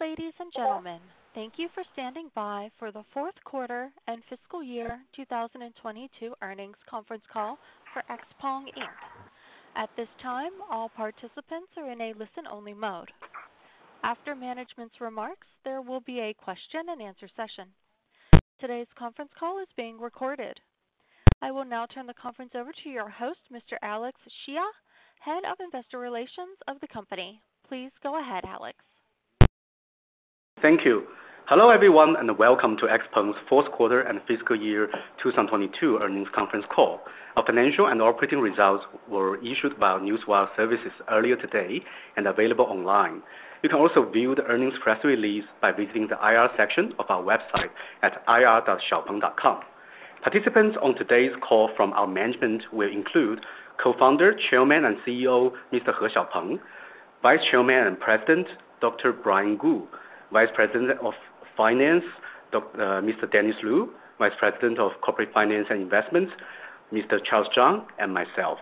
Ladies and gentlemen, thank you for standing by for the fourth quarter and fiscal year 2022 earnings conference call for XPeng Inc. At this time, all participants are in a listen-only mode. After management's remarks, there will be a question and answer session. Today's conference call is being recorded. I will now turn the conference over to your host, Mr. Alex Xie, Head of Investor Relations of the company. Please go ahead, Alex. Thank you. Hello, everyone, and welcome to XPeng's fourth quarter and fiscal year 2022 earnings conference call. Our financial and operating results were issued by our Newswire services earlier today and available online. You can also view the earnings press release by visiting the IR section of our website at ir.xpeng.com. Participants on today's call from our management will include Co-founder, Chairman, and CEO, Mr. He Xiaopeng; Vice Chairman and President, Dr. Brian Gu; Vice President of Finance, Mr. Dennis Lu; Vice President of Corporate Finance and Investments, Mr. Charles Zhang; and myself.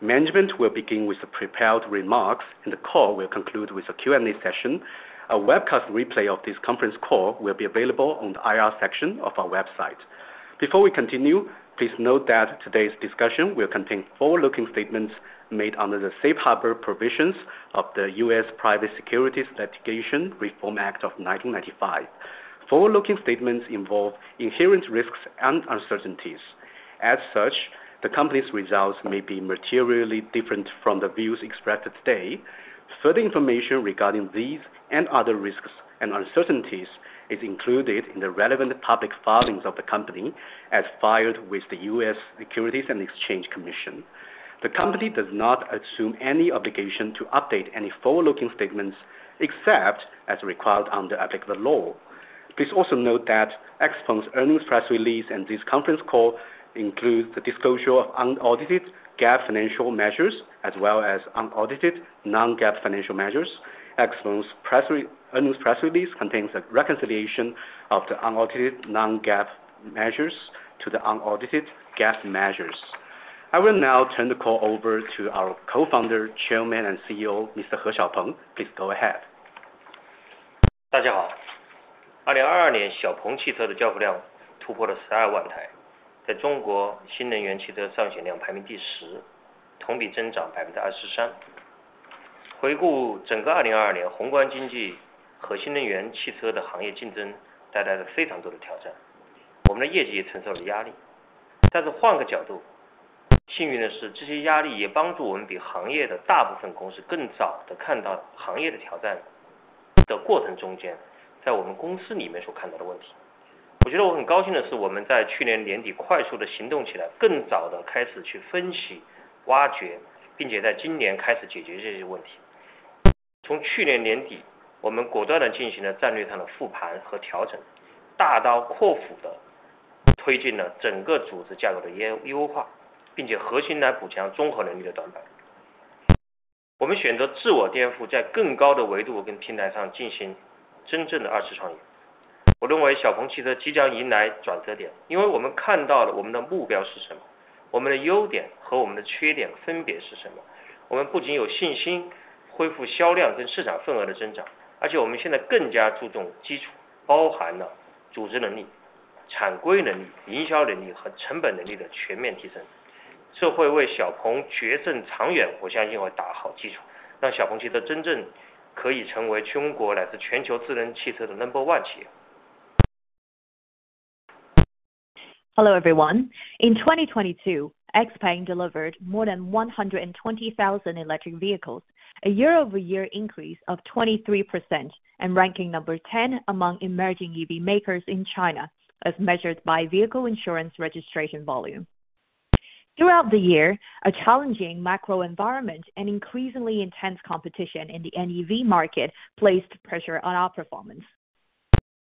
Management will begin with the prepared remarks and the call will conclude with a Q&A session. A webcast replay of this conference call will be available on the IR section of our website. Before we continue, please note that today's discussion will contain forward-looking statements made under the Safe Harbor provisions of the U.S. Private Securities Litigation Reform Act of 1995. Forward-looking statements involve inherent risks and uncertainties. As such, the company's results may be materially different from the views expressed today. Further information regarding these and other risks and uncertainties is included in the relevant public filings of the company as filed with the U.S. Securities and Exchange Commission. The company does not assume any obligation to update any forward-looking statements, except as required under applicable law. Please also note that XPeng's earnings press release and this conference call includes the disclosure of unaudited GAAP financial measures as well as unaudited non-GAAP financial measures. XPeng's earnings press release contains a reconciliation of the unaudited non-GAAP measures to the unaudited GAAP measures. I will now turn the call over to our Co-founder, Chairman, and CEO, Mr. He Xiaopeng. Please go ahead. Hello, everyone. In 2022, XPeng delivered more than 120,000 electric vehicles, a year-over-year increase of 23% and ranking 10 among emerging EV makers in China, as measured by vehicle insurance registration volume. Throughout the year, a challenging macro environment and increasingly intense competition in the NEV market placed pressure on our performance.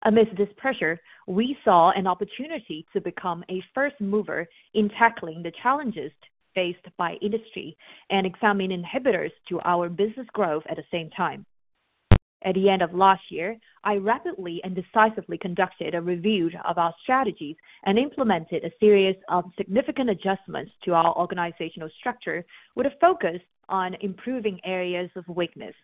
Amidst this pressure, we saw an opportunity to become a first mover in tackling the challenges faced by industry and examine inhibitors to our business growth at the same time. At the end of last year, I rapidly and decisively conducted a review of our strategies and implemented a series of significant adjustments to our organizational structure with a focus on improving areas of weakness.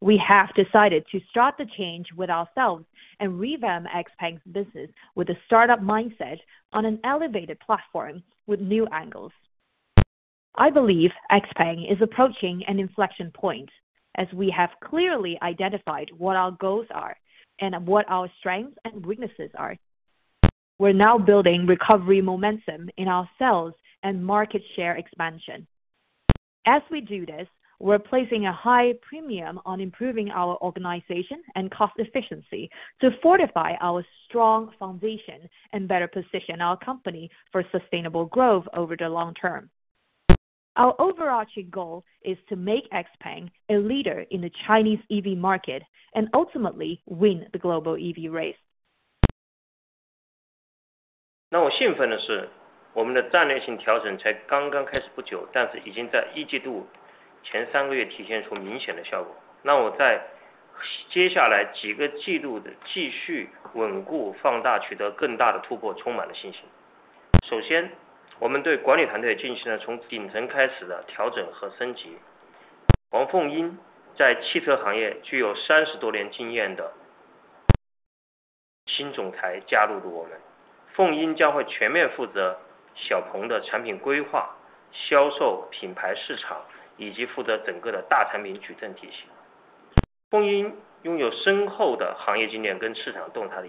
We have decided to start the change with ourselves and revamp XPeng's business with a startup mindset on an elevated platform with new angles. I believe XPeng is approaching an inflection point as we have clearly identified what our goals are and what our strengths and weaknesses are. We are now building recovery momentum in ourselves and market share expansion. As we do this, we are placing a high premium on improving our organization and cost efficiency to fortify our strong foundation and better position our company for sustainable growth over the long term. Our overarching goal is to make XPeng a leader in the Chinese EV market and ultimately win the global EV race. 首先, 我们对管理团队进行了从顶层开始的调整和 升级. Fengying Wang 在汽车行业具有 30多年经验的新总台加入了 我们, Fengying 将会全面负责 XPeng 的产品 规划、销售、品牌、市场, 以及负责整个的大产品矩阵 体系. Fengying 拥有深厚的行业经验跟市场动态的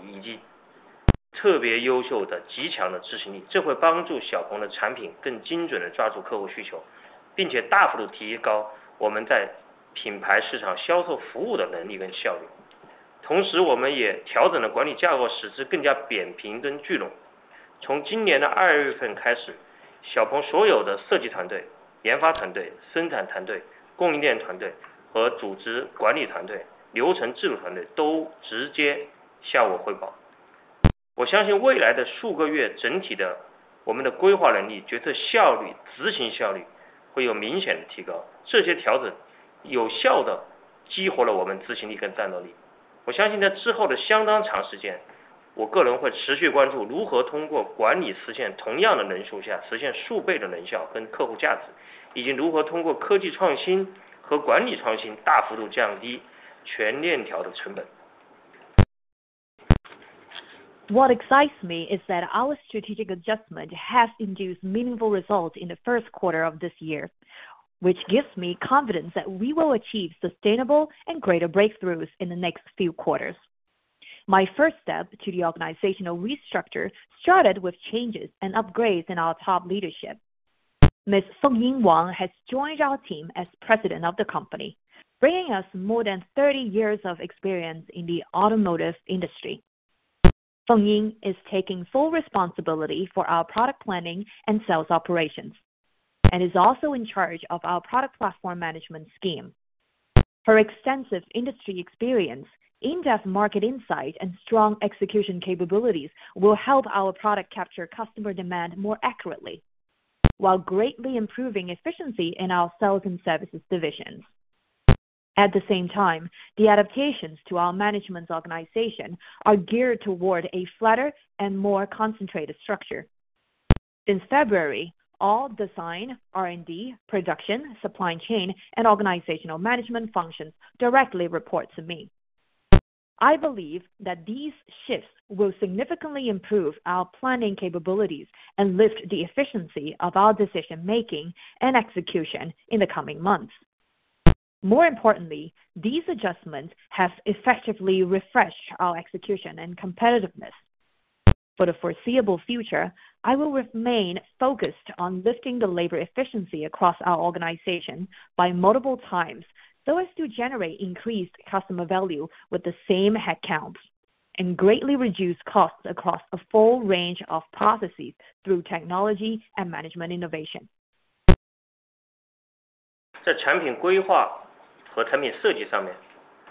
依据, 特别优秀的极强的 执行力, 这会帮助 XPeng 的产品更精准地抓住客户 需求, 并且大幅度提高我们在品牌市场销售服务的能力跟 效率. 我们也调整了管理 架构, 使之更加扁平跟 聚拢. 从今年的 February 开始, XPeng 所有的设计团队、研发团队、生产团队、供应链团队和组织管理团队、流程制度团队都直接向我 汇报. 我相信未来的数个 月, 整体的我们的规划能力、决策效率、执行效率会有明显的 提高. 这些调整有效地激活了我们执行力跟 战斗力. 我相信在之后的相当 长时间, 我个人会持续关注如何通过管理实现同样的人数下实现数倍的效跟客户 价值, 以及如何通过科技创新和管理创新大幅度降低全链条的 成本. What excites me is that our strategic adjustment has induced meaningful results in the first quarter of this year, which gives me confidence that we will achieve sustainable and greater breakthroughs in the next few quarters. My first step to the organizational restructure started with changes and upgrades in our top leadership. Miss Fengying Wang has joined our team as President of the company, bringing us more than 30 years of experience in the automotive industry. Fengying is taking full responsibility for our product planning and sales operations, and is also in charge of our product platform management scheme. Her extensive industry experience, in-depth market insight, and strong execution capabilities will help our product capture customer demand more accurately, while greatly improving efficiency in our sales and services divisions. At the same time, the adaptations to our management organization are geared toward a flatter and more concentrated structure. In February, all design, R&D, production, supply chain, and organizational management functions directly report to me. I believe that these shifts will significantly improve our planning capabilities and lift the efficiency of our decision making and execution in the coming months. More importantly, these adjustments have effectively refreshed our execution and competitiveness. For the foreseeable future, I will remain focused on lifting the labor efficiency across our organization by multiple times so as to generate increased customer value with the same headcounts and greatly reduce costs across a full range of processes through technology and management innovation. 在产品规划和产品设计上 面，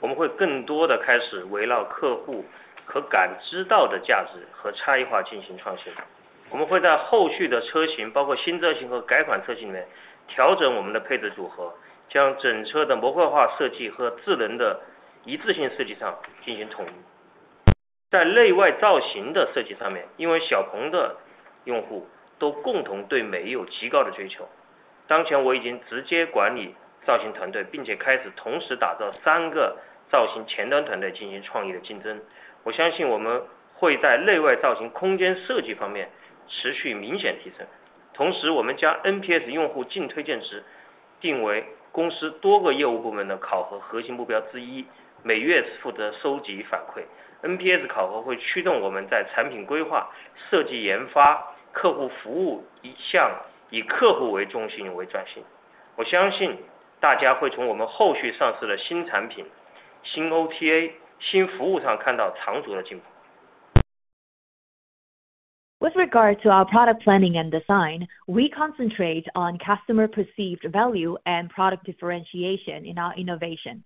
我们会更多地开始围绕客户可感知到的价值和差异化进行创新。我们会在后续的车 型， 包括新车型和改款车型 内， 调整我们的配置组 合， 将整车的模块化设计和智能的一致性设计上进行统一。在内外造型的设计上 面， 因为小鹏的用户都共同对美有极高的追求。当前我已经直接管理造型团队 ，并 且开始同时打造三个造型前端团队进行创意的竞争。我相信我们会在内外造型、空间设计方面持续明显提升。同时我们将 NPS 用户净推荐值定为公司多个业务部门的考核核心目标之 一， 每月负责收集反馈。NPS 考核会驱动我们在产品规划、设计研发、客户服务一项以客户为中心为转型。我相信大家会从我们后续上市的新产品、新 OTA、新服务上看到长足的进步。With regard to our product planning and design, we concentrate on customer perceived value and product differentiation in our innovation.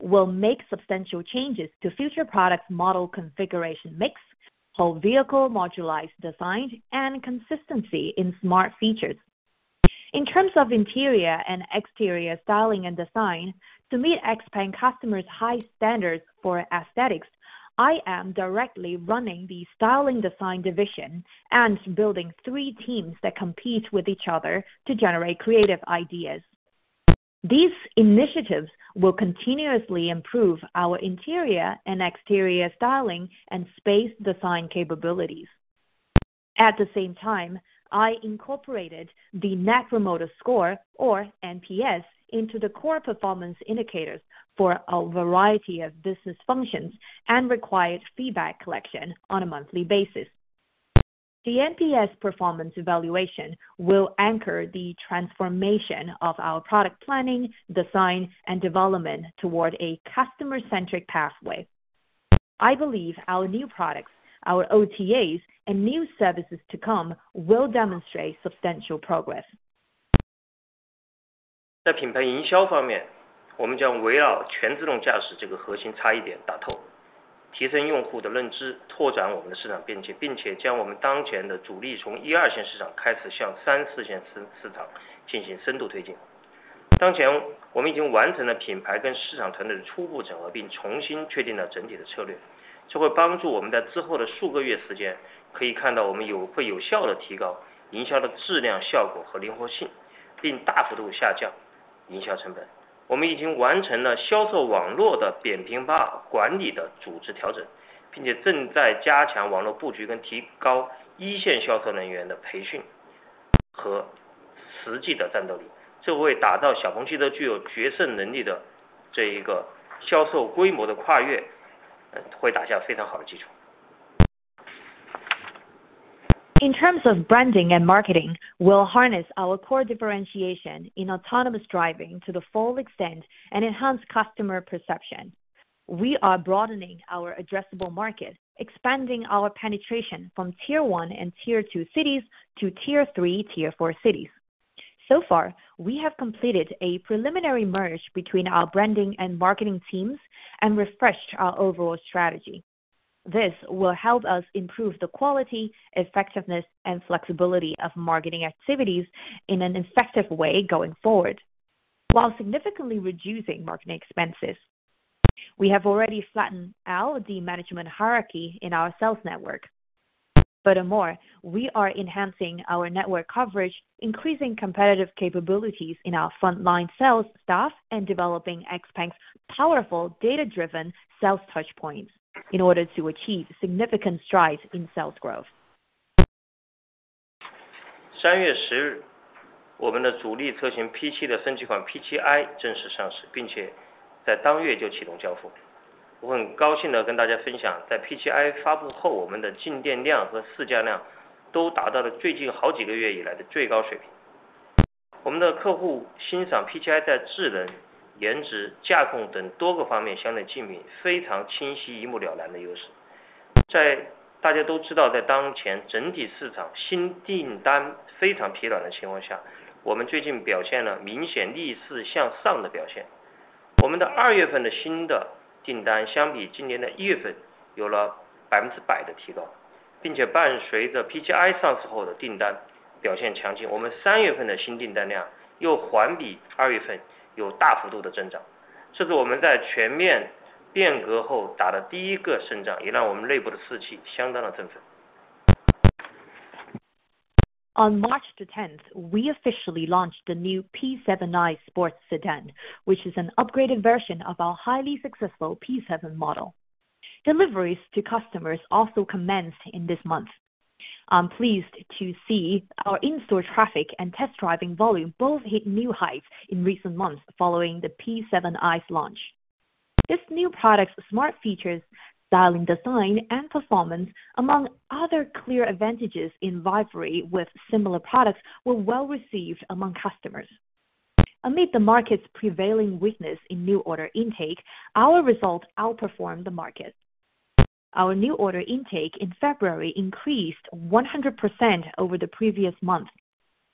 We'll make substantial changes to future product model configuration mix, whole vehicle modularized design, and consistency in smart features. In terms of interior and exterior styling and design to meet XPeng customers high standards for aesthetics, I am directly running the styling design division and building three teams that compete with each other to generate creative ideas. These initiatives will continuously improve our interior and exterior styling and space design capabilities. At the same time, I incorporated the Net Promoter Score, or NPS, into the core performance indicators for a variety of business functions and required feedback collection on a monthly basis. The NPS performance evaluation will anchor the transformation of our product planning, design, and development toward a customer-centric pathway. I believe our new products, our OTAs, and new services to come will demonstrate substantial progress. 在品牌营销方 面， 我们将围绕全自动驾驶这个核心差异点打 透， 提升用户的认 知， 拓展我们的市场边 界， 并且将我们当前的主力从一二线市场开始向三四线市场进行深度推进。当前我们已经完成了品牌跟市场团队的初步整 合， 并重新确定了整体的策 略， 这会帮助我们在之后的数个月时 间， 可以看到我们会有效地提高营销的质量、效果和灵活性 ，并 大幅度下降营销成本。我们已经完成了销售网络的扁平化管理的组织调 整， 并且正在加强网络布局跟提高一线销售人员的培训和实际的战斗 力， 这会打造小鹏汽车具有决胜能力的这一个销售规模的跨 越， 会打下非常好的基础。In terms of branding and marketing will harness our core differentiation in autonomous driving to the full extent and enhance customer perception. We are broadening our addressable market, expanding our penetration from tier one and tier two cities to tier three, tier four cities. We have completed a preliminary merge between our branding and marketing teams and refreshed our overall strategy. This will help us improve the quality, effectiveness, and flexibility of marketing activities in an effective way going forward, while significantly reducing marketing expenses. We have already flattened out the management hierarchy in our sales network. We are enhancing our network coverage, increasing competitive capabilities in our frontline sales staff, and developing XPeng's powerful data-driven sales touchpoints in order to achieve significant strides in sales growth. 三月十 日， 我们的主力车型 P7 的升级款 P7i 正式上 市， 并且在当月就启动交付。我很高兴地跟大家分 享， 在 P7i 发布 后， 我们的进店量和试驾量都达到了最近好几个月以来的最高水平。我们的客户欣赏 P7i 在智能、颜值、价控等多个方面相对竞品非常清晰、一目了然的优势。在大家都知 道， 在当前整体市场新订单非常疲软的情况 下， 我们最近表现了明显逆势向上的表现。我们的二月份的新的订单相比今年的一月份有了百分之百的提 高， 并且伴随着 P7i 上市后的订单表现强 劲， 我们三月份的新订单量又环比二月份有大幅度的增长。这是我们在全面变革后打的第一个胜 仗， 也让我们内部的士气相当地振奋。On March 10th, we officially launched the new P7i sports sedan, which is an upgraded version of our highly successful P7 model. Deliveries to customers also commenced in this month. I'm pleased to see our in-store traffic and test driving volume both hit new heights in recent months following the P7i's launch. This new product's smart features, styling, design, and performance, among other clear advantages in rivalry with similar products, were well received among customers. Amid the market's prevailing weakness in new order intake, our results outperformed the market. Our new order intake in February increased 100% over the previous month.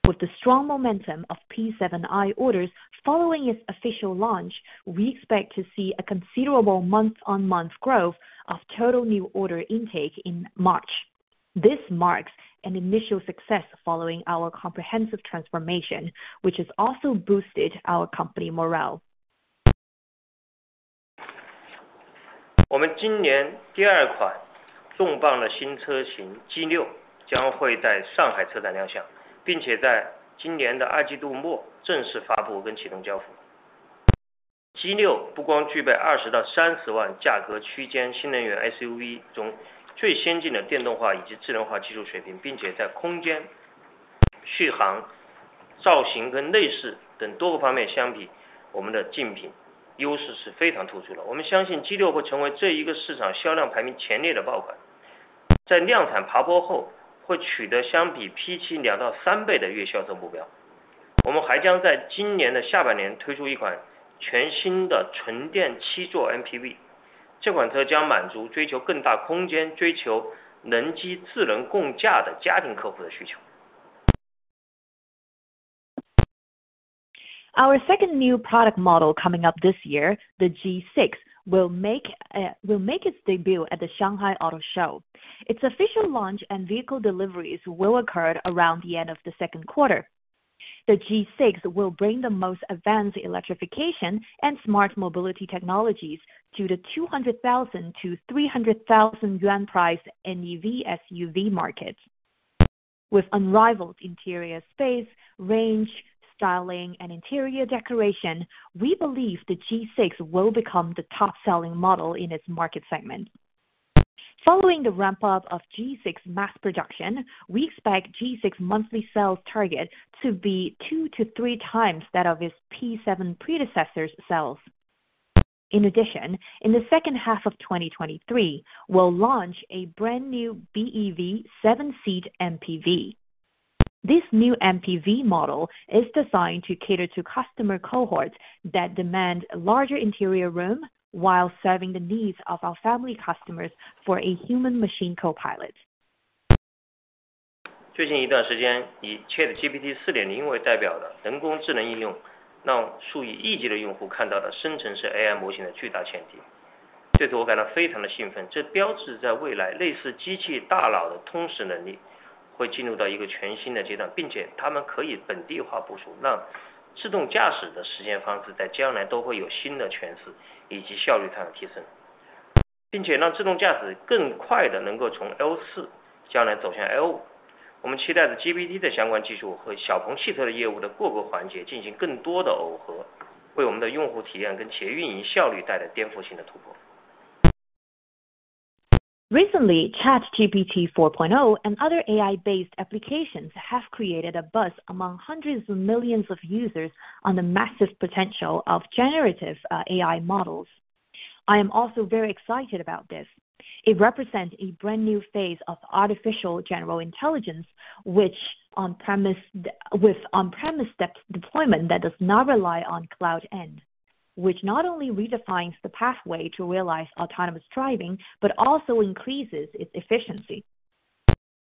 With the strong momentum of P7i orders following its official launch, we expect to see a considerable month-on-month growth of total new order intake in March. This marks an initial success following our comprehensive transformation, which has also boosted our company morale. 我们今年第二款重磅的新车型 ，G6 将会在上海车展亮 相， 并且在今年的二季度末正式发布跟启动交付。G6 不光具备二十到三十万价格区间新能源 SUV 中最先进的电动化以及智能化技术水 平， 并且在空间、续航、造型跟内饰等多个方面相 比， 我们的竞品优势是非常突出的。我们相信 G6 会成为这一个市场销量排名前列的爆 款， 在量产爬坡后会取得相比 P7 两到三倍的月销售目标。我们还将在今年的下半年推出一款全新的纯电七座 MPV， 这款车将满足追求更大空 间， 追求能机智能共驾的家庭客户的需求。Our second new product model coming up this year, the G6, will make its debut at the Shanghai Auto Show. Its official launch and vehicle deliveries will occur around the end of the second quarter. The G6 will bring the most advanced electrification and smart mobility technologies to the 200,000-300,000 yuan price NEV SUV market. With unrivaled interior space, range, styling and interior decoration, we believe the G6 will become the top-selling model in its market segment. Following the ramp-up of G6 mass production, we expect G6 monthly sales target to be two-three times that of its P7 predecessor's sales. In addition, in the second half of 2023, we'll launch a brand new BEV seven-seat MPV. This new MPV model is designed to cater to customer cohorts that demand larger interior room while serving the needs of our family customers for a Human Machine Co-Pilot. 最近一段时 间， 以 ChatGPT 4.0 为代表的人工智能应 用， 让数以亿计的用户看到了生成式 AI 模型的巨大潜力。这是我感到非常的兴 奋， 这标志着在未来类似机器大脑的通识能力会进入到一个全新的阶 段， 并且它们可以本地化部 署， 让自动驾驶的实现方式在将来都会有新的诠 释， 以及效率上的提 升， 并且让自动驾驶更快的能够从 L4 将来走向 L5。我们期待着 GPT 的相关技术和小鹏汽车的业务的各个环节进行更多的耦 合， 为我们的用户体验跟企业运营效率带来颠覆性的突破。Recently, ChatGPT 4.0 and other AI-based applications have created a buzz among hundreds of millions of users on the massive potential of generative AI models. I am also very excited about this. It represents a brand new phase of artificial general intelligence, with on-premise deployment that does not rely on cloud end, which not only redefines the pathway to realize autonomous driving, but also increases its efficiency.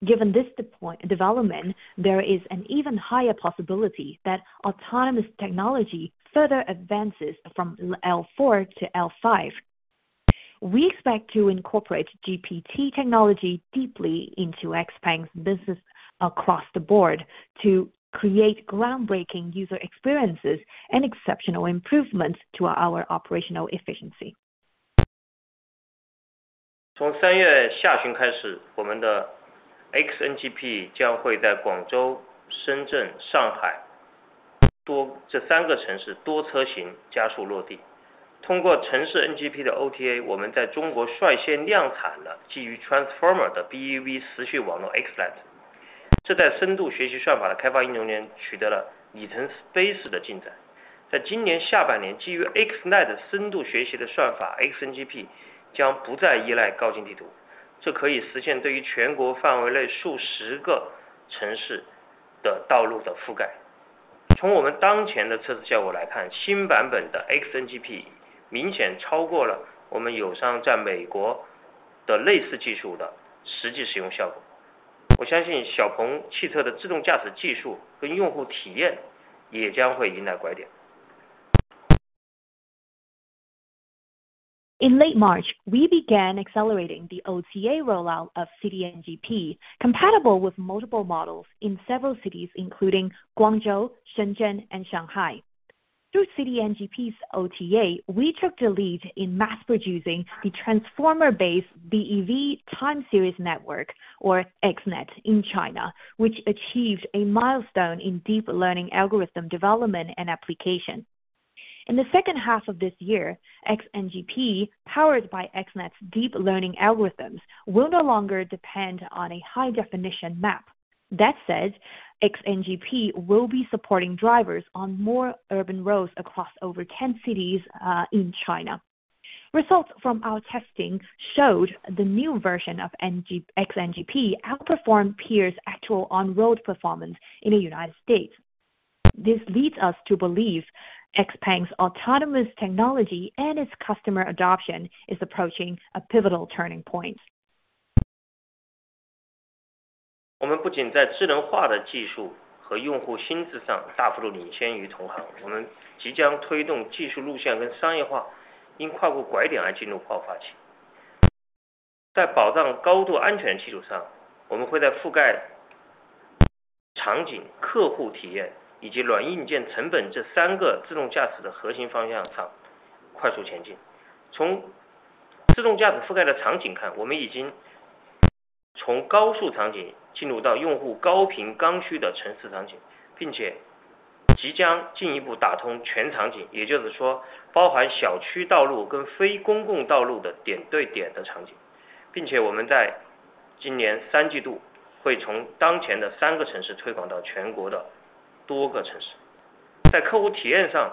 Given this deployment development, there is an even higher possibility that autonomous technology further advances from L4 to L5. We expect to incorporate GPT technology deeply into XPeng's business across the board to create groundbreaking user experiences and exceptional improvements to our operational efficiency. 从3月下旬开 始, 我们的 XNGP 将会在 Guangzhou, Shenzhen, Shanghai 多这3个城市多车型加速落 地. 通过 City NGP 的 OTA, 我们在中国率先量产了基于 Transformer 的 BEV 时序网络 XNet, 这在深度学习算法的开发应用取得了里程 space 的进 展. 在今年下半 年, 基于 XNet 深度学习的算法 XNGP 将不再依赖高精地 图, 这可以实现对于全国范围内数十个城市的道路的覆 盖. 从我们当前的测试效果来 看, 新版本的 XNGP 明显超过了我们友商在 U.S. 的类似技术的实际使用效 果. 我相信 XPeng Inc. 的自动驾驶技术跟用户体验也将会迎来拐 点. In late March, we began accelerating the OTA rollout of City NGP compatible with multiple models in several cities including Guangzhou, Shenzhen and Shanghai. Through City NGP's OTA, we took the lead in mass producing the Transformer based BEV time series network, or XNet in China, which achieved a milestone in deep learning algorithm development and application. In the second half of this year, XNGP, powered by XNet's deep learning algorithms, will no longer depend on a high-definition map. That said, XNGP will be supporting drivers on more urban roads across over ten cities in China. Results from our testing showed the new version of XNGP outperformed peers actual on road performance in the United States. This leads us to believe XPeng's autonomous technology and its customer adoption is approaching a pivotal turning point. 我们不仅在智能化的技术和用户心智上大幅度领先于同 行， 我们即将推动技术路线跟商业 化， 因跨过拐点而进入爆发期。在保障高度安全基础 上， 我们会在覆盖场景、客户体验以及软硬件成本这三个自动驾驶的核心方向上快速前进。从自动驾驶覆盖的场景 看， 我们已经从高速场景进入到用户高频刚需的城市场 景， 并且即将进一步打通全场景 ，也 就是说包含小区道路跟非公共道路的点对点的场 景， 并且我们在今年三季度会从当前的三个城市推广到全国的多个城市。在客户体验 上，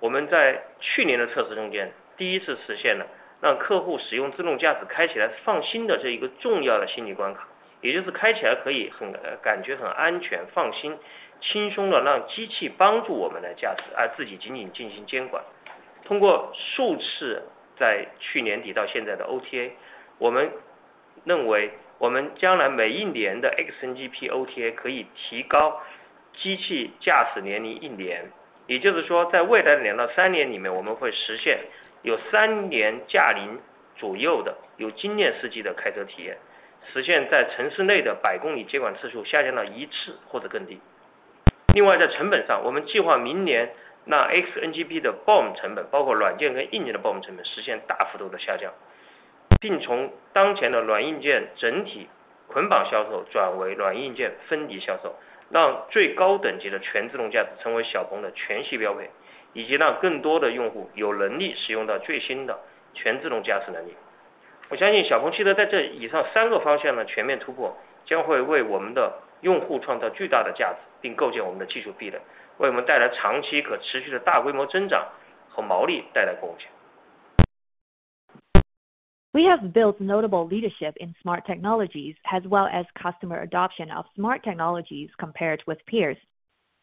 我们在去年的测试中 间， 第一次实现了让客户使用自动驾驶开起来放心的这一个重要的心理关卡，也就是开起来可以 很， 感觉很安全、放心、轻松地让机器帮助我们来驾 驶， 而自己仅仅进行监管。通过数次在去年底到现在的 OTA， 我们认为我们将来每一年的 XNGP OTA 可以提高机器驾驶年龄一 年， 也就是说在未来的两到三年里 面， 我们会实现有三年驾龄左右的、有经验司机的开车体验，实现在城市内的百公里接管次数下降到一次或者更低。另 外， 在成本 上， 我们计划明年让 XNGP 的 BOM 成 本， 包括软件跟硬件的 BOM 成本实现大幅度的下 降， 并从当前的软硬件整体捆绑销售转为软硬件分离销 售， 让最高等级的全自动驾驶成为小鹏的全系标 配， 以及让更多的用户有能力使用到最新的全自动驾驶能力。我相信小鹏汽车在以上三个方向的全面突 破， 将会为我们的用户创造巨大的价 值， 并构建我们的技术壁 垒， 为我们带来长期可持续的大规模增长和毛利带来贡献。We have built notable leadership in smart technologies as well as customer adoption of smart technologies compared with peers.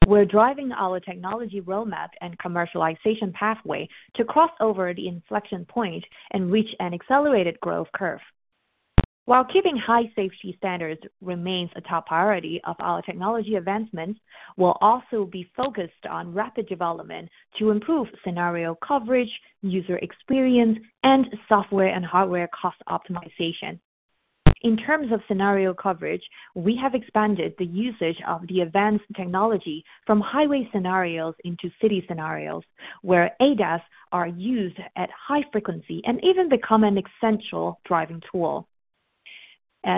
We're driving our technology roadmap and commercialization pathway to cross over the inflection point and reach an accelerated growth curve. While keeping high safety standards remains a top priority of our technology advancements, we'll also be focused on rapid development to improve scenario coverage, user experience, and software and hardware cost optimization. In terms of scenario coverage, we have expanded the usage of the advanced technology from highway scenarios into city scenarios, where ADAS are used at high frequency and even become an essential driving tool.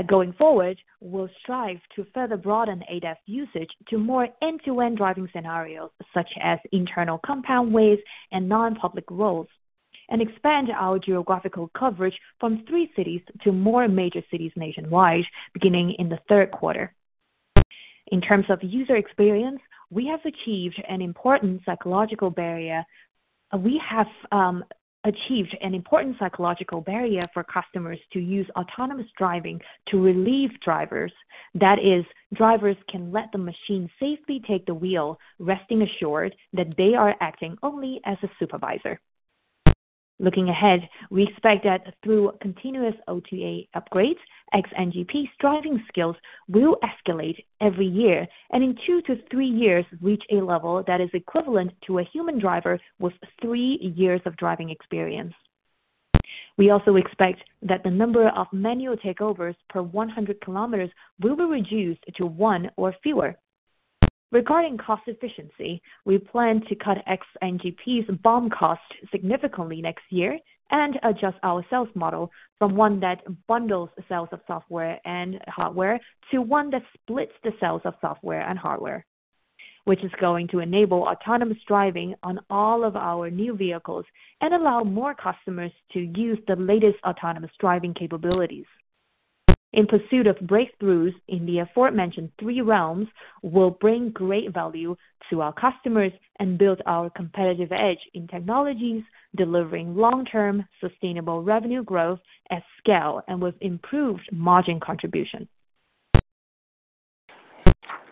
Going forward, we'll strive to further broaden ADAS usage to more end-to-end driving scenarios, such as internal compound ways and non-public roads, and expand our geographical coverage from three cities to more major cities nationwide beginning in the third quarter. We have achieved an important psychological barrier for customers to use autonomous driving to relieve drivers. That is, drivers can let the machine safely take the wheel, resting assured that they are acting only as a supervisor. Looking ahead, we expect that through continuous OTA upgrades, XNGP's driving skills will escalate every year, and in two to three years reach a level that is equivalent to a human driver with three years of driving experience. We also expect that the number of manual takeovers per 100 km will be reduced to one or fewer. Regarding cost efficiency, we plan to cut XNGP's BOM cost significantly next year and adjust our sales model from one that bundles the sales of software and hardware to one that splits the sales of software and hardware, which is going to enable autonomous driving on all of our new vehicles and allow more customers to use the latest autonomous driving capabilities. In pursuit of breakthroughs in the aforementioned three realms, we'll bring great value to our customers and build our competitive edge in technologies, delivering long-term sustainable revenue growth at scale and with improved margin contribution.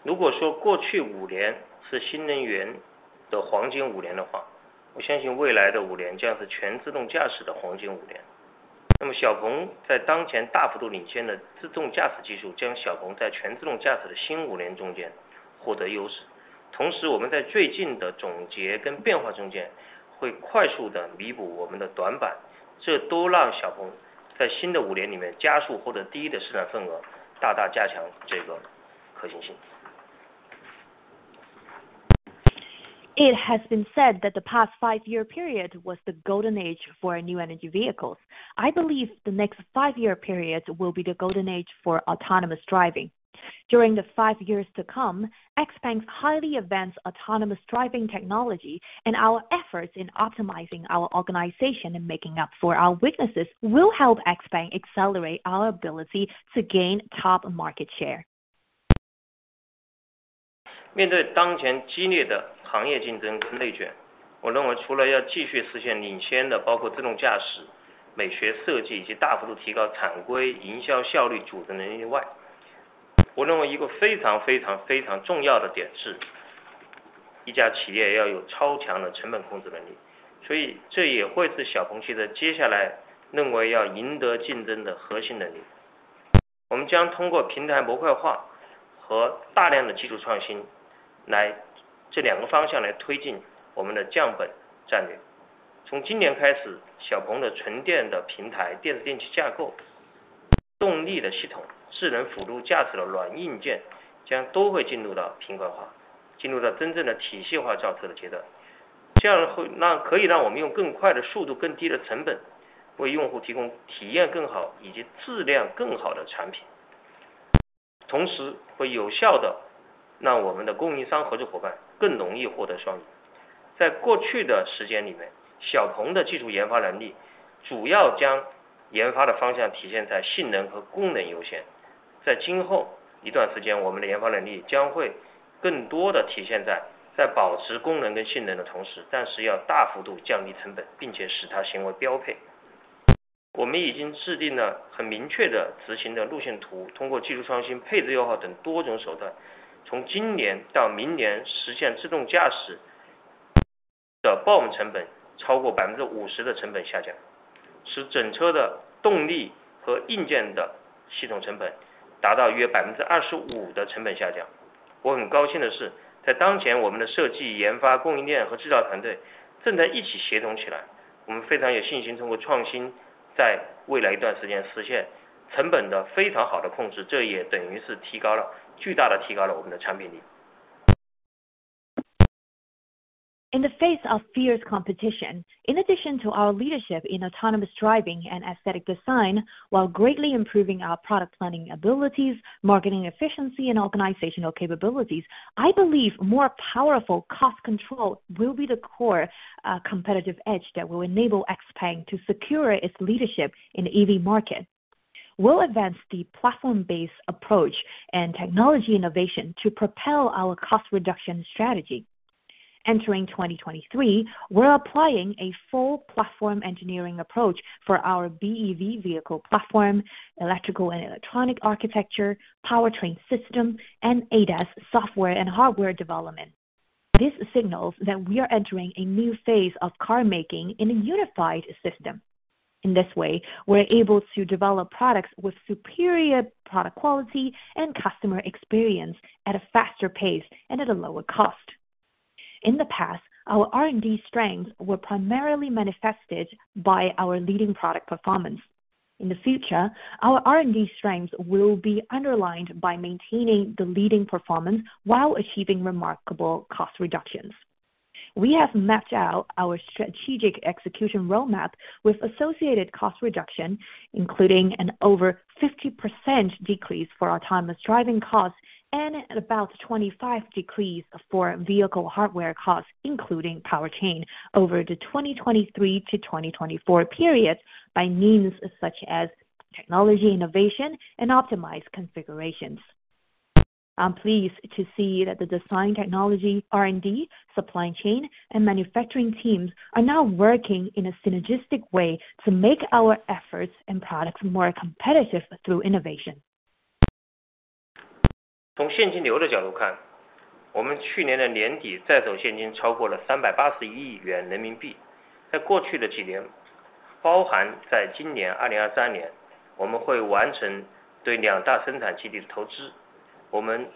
如果说过去五年是新能源的黄金五年的 话， 我相信未来的五年将是全自动驾驶的黄金五年。那么小鹏在当前大幅度领先的自动驾驶技 术， 将小鹏在全自动驾驶的新五年中间获得优势。同时我们在最近的总结跟变化中 间， 会快速地弥补我们的短 板， 这都让小鹏在新的五年里面加速获得第一的市场份 额， 大大加强这个可行性。It has been said that the past five-year period was the golden age for new energy vehicles. I believe the next five-year period will be the golden age for autonomous driving. During the five years to come, XPeng's highly advanced autonomous driving technology and our efforts in optimizing our organization and making up for our weaknesses will help XPeng accelerate our ability to gain top market share. 面对当前激烈的行业竞争跟内 卷, 我认为除了要继续实现领先的包括自动驾驶、美学设 计, 以及大幅度提高产规营销效率组织能力 外, 我认为一个非常非常非常重要的点 是, 一家企业要有超强的成本控制能力。这也会是小鹏汽车接下来认为要赢得竞争的核心能力。我们将通过平台模块化和大量的技术创新 来... 这2个方向来推进我们的降本战略。从今年开 始， 小鹏的纯电的平台、电气架构、动力的系统、智能辅助驾驶的软硬件将都会进入到平台 化， 进入到真正的体系化造车的阶段。这样可以让我们用更快的速度、更低的成 本， 为用户提供体验更好以及质量更好的产品。同时会有效地让我们的供应商合作伙伴更容易获得双赢。在过去的时间里 面， 小鹏的技术研发能力主要将研发的方向体现在性能和功能优先。在今后一段时 间， 我们的研发能力将会更多地体现 在， 在保持功能跟性能的同 时， 但是要大幅度降低成 本， 并且使它成为标配。我们已经制定了很明确的执行的路线 图， 通过技术创新、配置优化等多种手段，从今年到明年实现自动驾驶的 BOM 成本超过 50% 的成本下 降， 使整车的动力和硬件的系统成本达到约 25% 的成本下降。我很高兴的 是， 在当前我们的设计、研发、供应链和制造团队正在一起协同起 来， 我们非常有信心通过创 新， 在未来一段时间实现成本的非常好的控 制， 这也等于是提高了...巨大的提高了我们的产品力。In the face of fierce competition, in addition to our leadership in autonomous driving and aesthetic design, while greatly improving our product planning abilities, marketing efficiency, and organizational capabilities, I believe more powerful cost control will be the core competitive edge that will enable XPeng to secure its leadership in EV market. We'll advance the platform-based approach and technology innovation to propel our cost reduction strategy. Entering 2023, we're applying a full platform engineering approach for our BEV vehicle platform, electrical and electronic architecture, powertrain system, and ADAS software and hardware development. This signals that we are entering a new phase of car making in a unified system. In this way, we're able to develop products with superior product quality and customer experience at a faster pace and at a lower cost. In the past, our R&D strengths were primarily manifested by our leading product performance. In the future, our R&D strengths will be underlined by maintaining the leading performance while achieving remarkable cost reductions. We have mapped out our strategic execution roadmap with associated cost reduction, including an over 50% decrease for autonomous driving costs and about 25% decrease for vehicle hardware costs, including power chain, over the 2023-2024 periods by means such as technology innovation and optimized configurations. I'm pleased to see that the design, technology, R&D, supply chain, and manufacturing teams are now working in a synergistic way to make our efforts and products more competitive through innovation. 从现金流的角度 看， 我们去年的年底在手现金超过了三百八十一亿元人民币。在过去的几 年， 包含在今年二零二三 年， 我们会完成对两大生产基地的投资。我们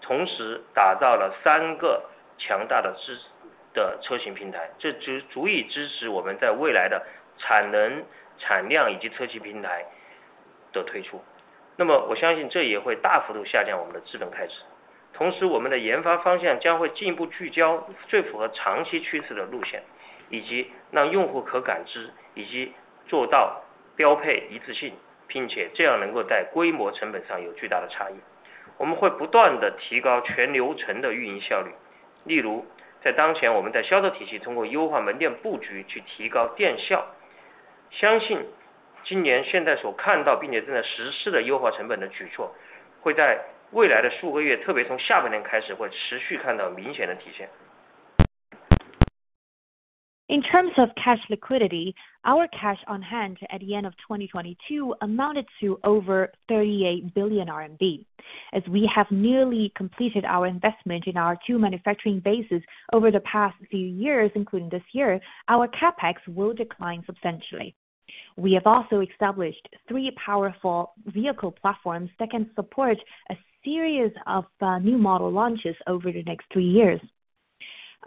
同时打造了三个强大的自--的车型平 台， 这就足以支持我们在未来的产能、产量以及车型平台的推出。那么我相信这也会大幅度下降我们的资本开支。同时我们的研发方向将会进一步聚焦最符合长期趋势的路 线， 以及让用户可感 知， 以及做到标配一致 性， 并且这样能够在规模成本上有巨大的差异。我们会不断地提高全流程的运营效率。例 如， 在当前我们在销售体系通过优化门店布局去提高店 效， 相信今年现在所看到并且正在实施的优化成本的举 措， 会在未来的数个 月， 特别从下半年开 始， 会持续看到明显的体现。In terms of cash liquidity, our cash on hand at the end of 2022 amounted to over 38 billion RMB. As we have nearly completed our investment in our two manufacturing bases over the past few years, including this year, our CapEx will decline substantially. We have also established three powerful vehicle platforms that can support a series of new model launches over the next three years.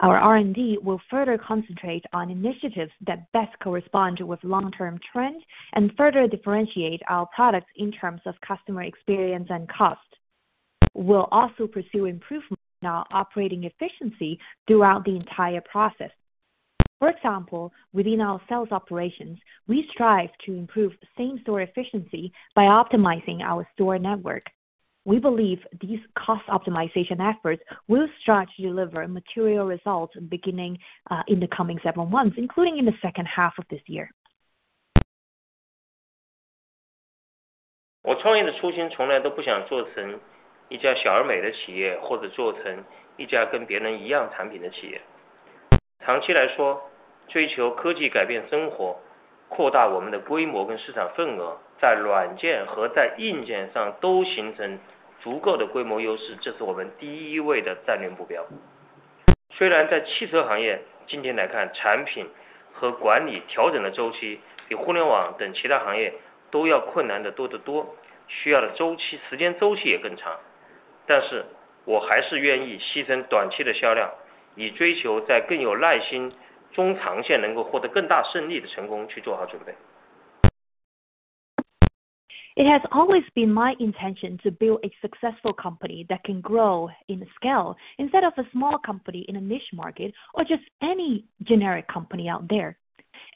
Our R&D will further concentrate on initiatives that best correspond with long-term trend and further differentiate our products in terms of customer experience and cost. We'll also pursue improvement in our operating efficiency throughout the entire process. For example, within our sales operations, we strive to improve same-store efficiency by optimizing our store network. We believe these cost optimization efforts will start to deliver material results beginning in the coming several months, including in the second half of this year. 我创业的初心从来都不想做成一家小而美的企 业， 或者做成一家跟别人一样产品的企业。长期来 说， 追求科技改变生 活， 扩大我们的规模跟市场份 额， 在软件和在硬件上都形成足够的规模优 势， 这是我们第一位的战略目标。虽然在汽车行 业， 今天来看产品和管理调整的周期比互联网等其他行业都要困难得多得 多， 需要的周 期， 时间周期也更长。我还是愿意牺牲短期的销 量， 以追求在更有耐 心， 中长线能够获得更大胜利的成功去做好准备。It has always been my intention to build a successful company that can grow in scale instead of a small company in a niche market or just any generic company out there.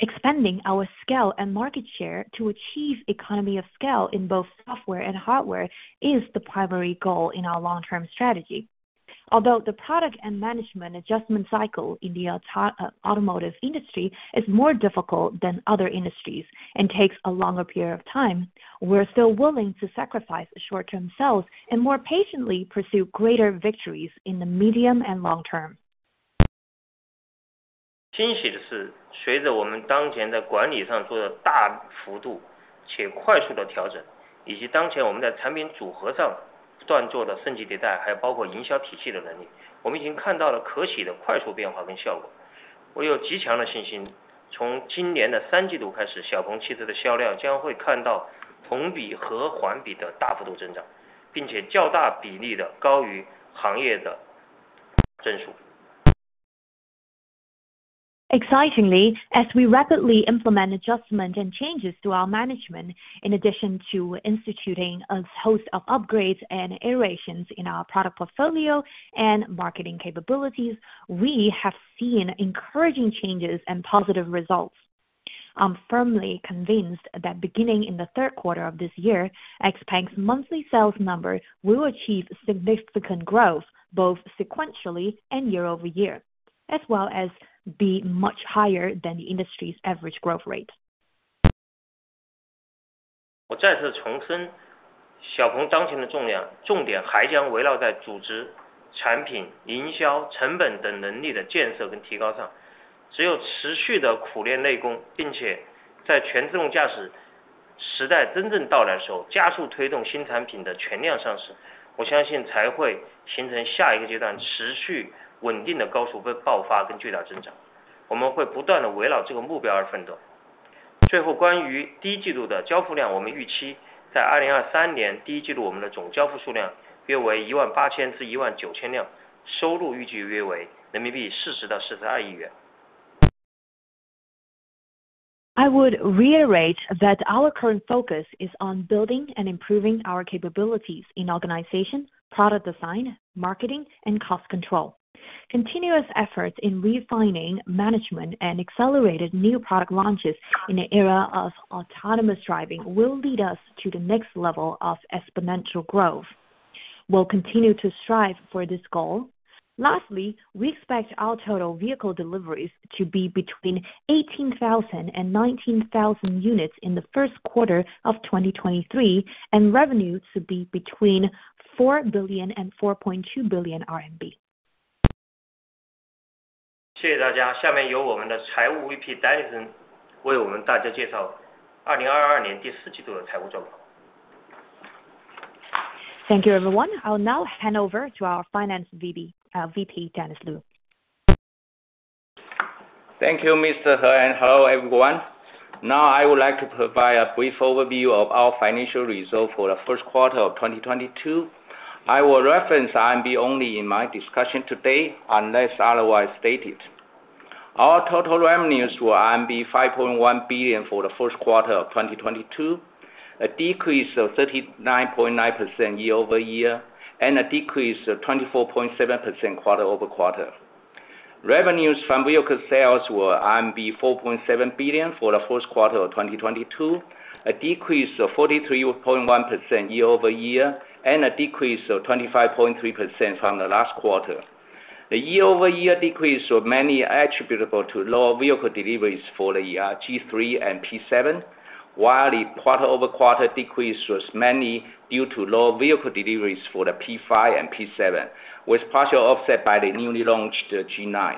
Expanding our scale and market share to achieve economy of scale in both software and hardware is the primary goal in our long-term strategy. Although the product and management adjustment cycle in the automotive industry is more difficult than other industries and takes a longer period of time, we're still willing to sacrifice short-term sales and more patiently pursue greater victories in the medium and long term. 欣喜的 是， 随着我们当前在管理上做了大幅度且快速的调 整， 以及当前我们在产品组合上不断做的升级迭 代， 还有包括营销体系的能 力， 我们已经看到了可喜的快速变化跟效果。我有极强的信 心， 从今年的三季度开 始， 小鹏汽车的销量将会看到同比和环比的大幅度增 长， 并且较大比例地高于行业的增速。Excitingly, as we rapidly implement adjustment and changes to our management, in addition to instituting a host of upgrades and iterations in our product portfolio and marketing capabilities, we have seen encouraging changes and positive results. I'm firmly convinced that beginning in the third quarter of this year, XPeng's monthly sales numbers will achieve significant growth both sequentially and year-over-year, as well as be much higher than the industry's average growth rate. 我再次重 申， 小鹏当前的重量--重点还将围绕在组织、产品、营销、成本等能力的建设跟提高上。只有持续地苦练内 功， 并且在全自动驾驶时代真正到来的时 候， 加速推动新产品的全量上 市， 我相信才会形成下一个阶段持续稳定的高速爆发跟巨大增长。我们会不断地围绕这个目标而奋斗。最 后， 关于第一季度的交付 量， 我们预期在2023年第一季 度， 我们的总交付数量约为一万八千至一万九千 辆， 收入预计约为人民币四十到四十二亿元。I would reiterate that our current focus is on building and improving our capabilities in organization, product design, marketing and cost control. Continuous efforts in refining management and accelerated new product launches in an era of autonomous driving will lead us to the next level of exponential growth. We'll continue to strive for this goal. Lastly, we expect our total vehicle deliveries to be between 18,000 and 19,000 units in the first quarter of 2023, and revenues to be between 4 billion and 4.2 billion RMB. 谢谢大家。下面由我们的 Finance VP Dennis 为我们大家介绍2022 Q4 的财务状况。Thank you everyone, I'll now hand over to our finance VP Dennis Lu. Thank you, Mr. He, and hello everyone. Now I would like to provide a brief overview of our financial results for the first quarter of 2022. I will reference RMB only in my discussion today unless otherwise stated. Our total revenues were 5.1 billion for the first quarter of 2022, a decrease of 39.9% year-over-year, and a decrease of 24.7% quarter-over-quarter. Revenues from vehicle sales were 4.7 billion for the first quarter of 2022, a decrease of 43.1% year-over-year, and a decrease of 25.3% from the last quarter. The year-over-year decrease were mainly attributable to lower vehicle deliveries for the G3 and P7, while the quarter-over-quarter decrease was mainly due to lower vehicle deliveries for the P5 and P7, with partial offset by the newly launched G9.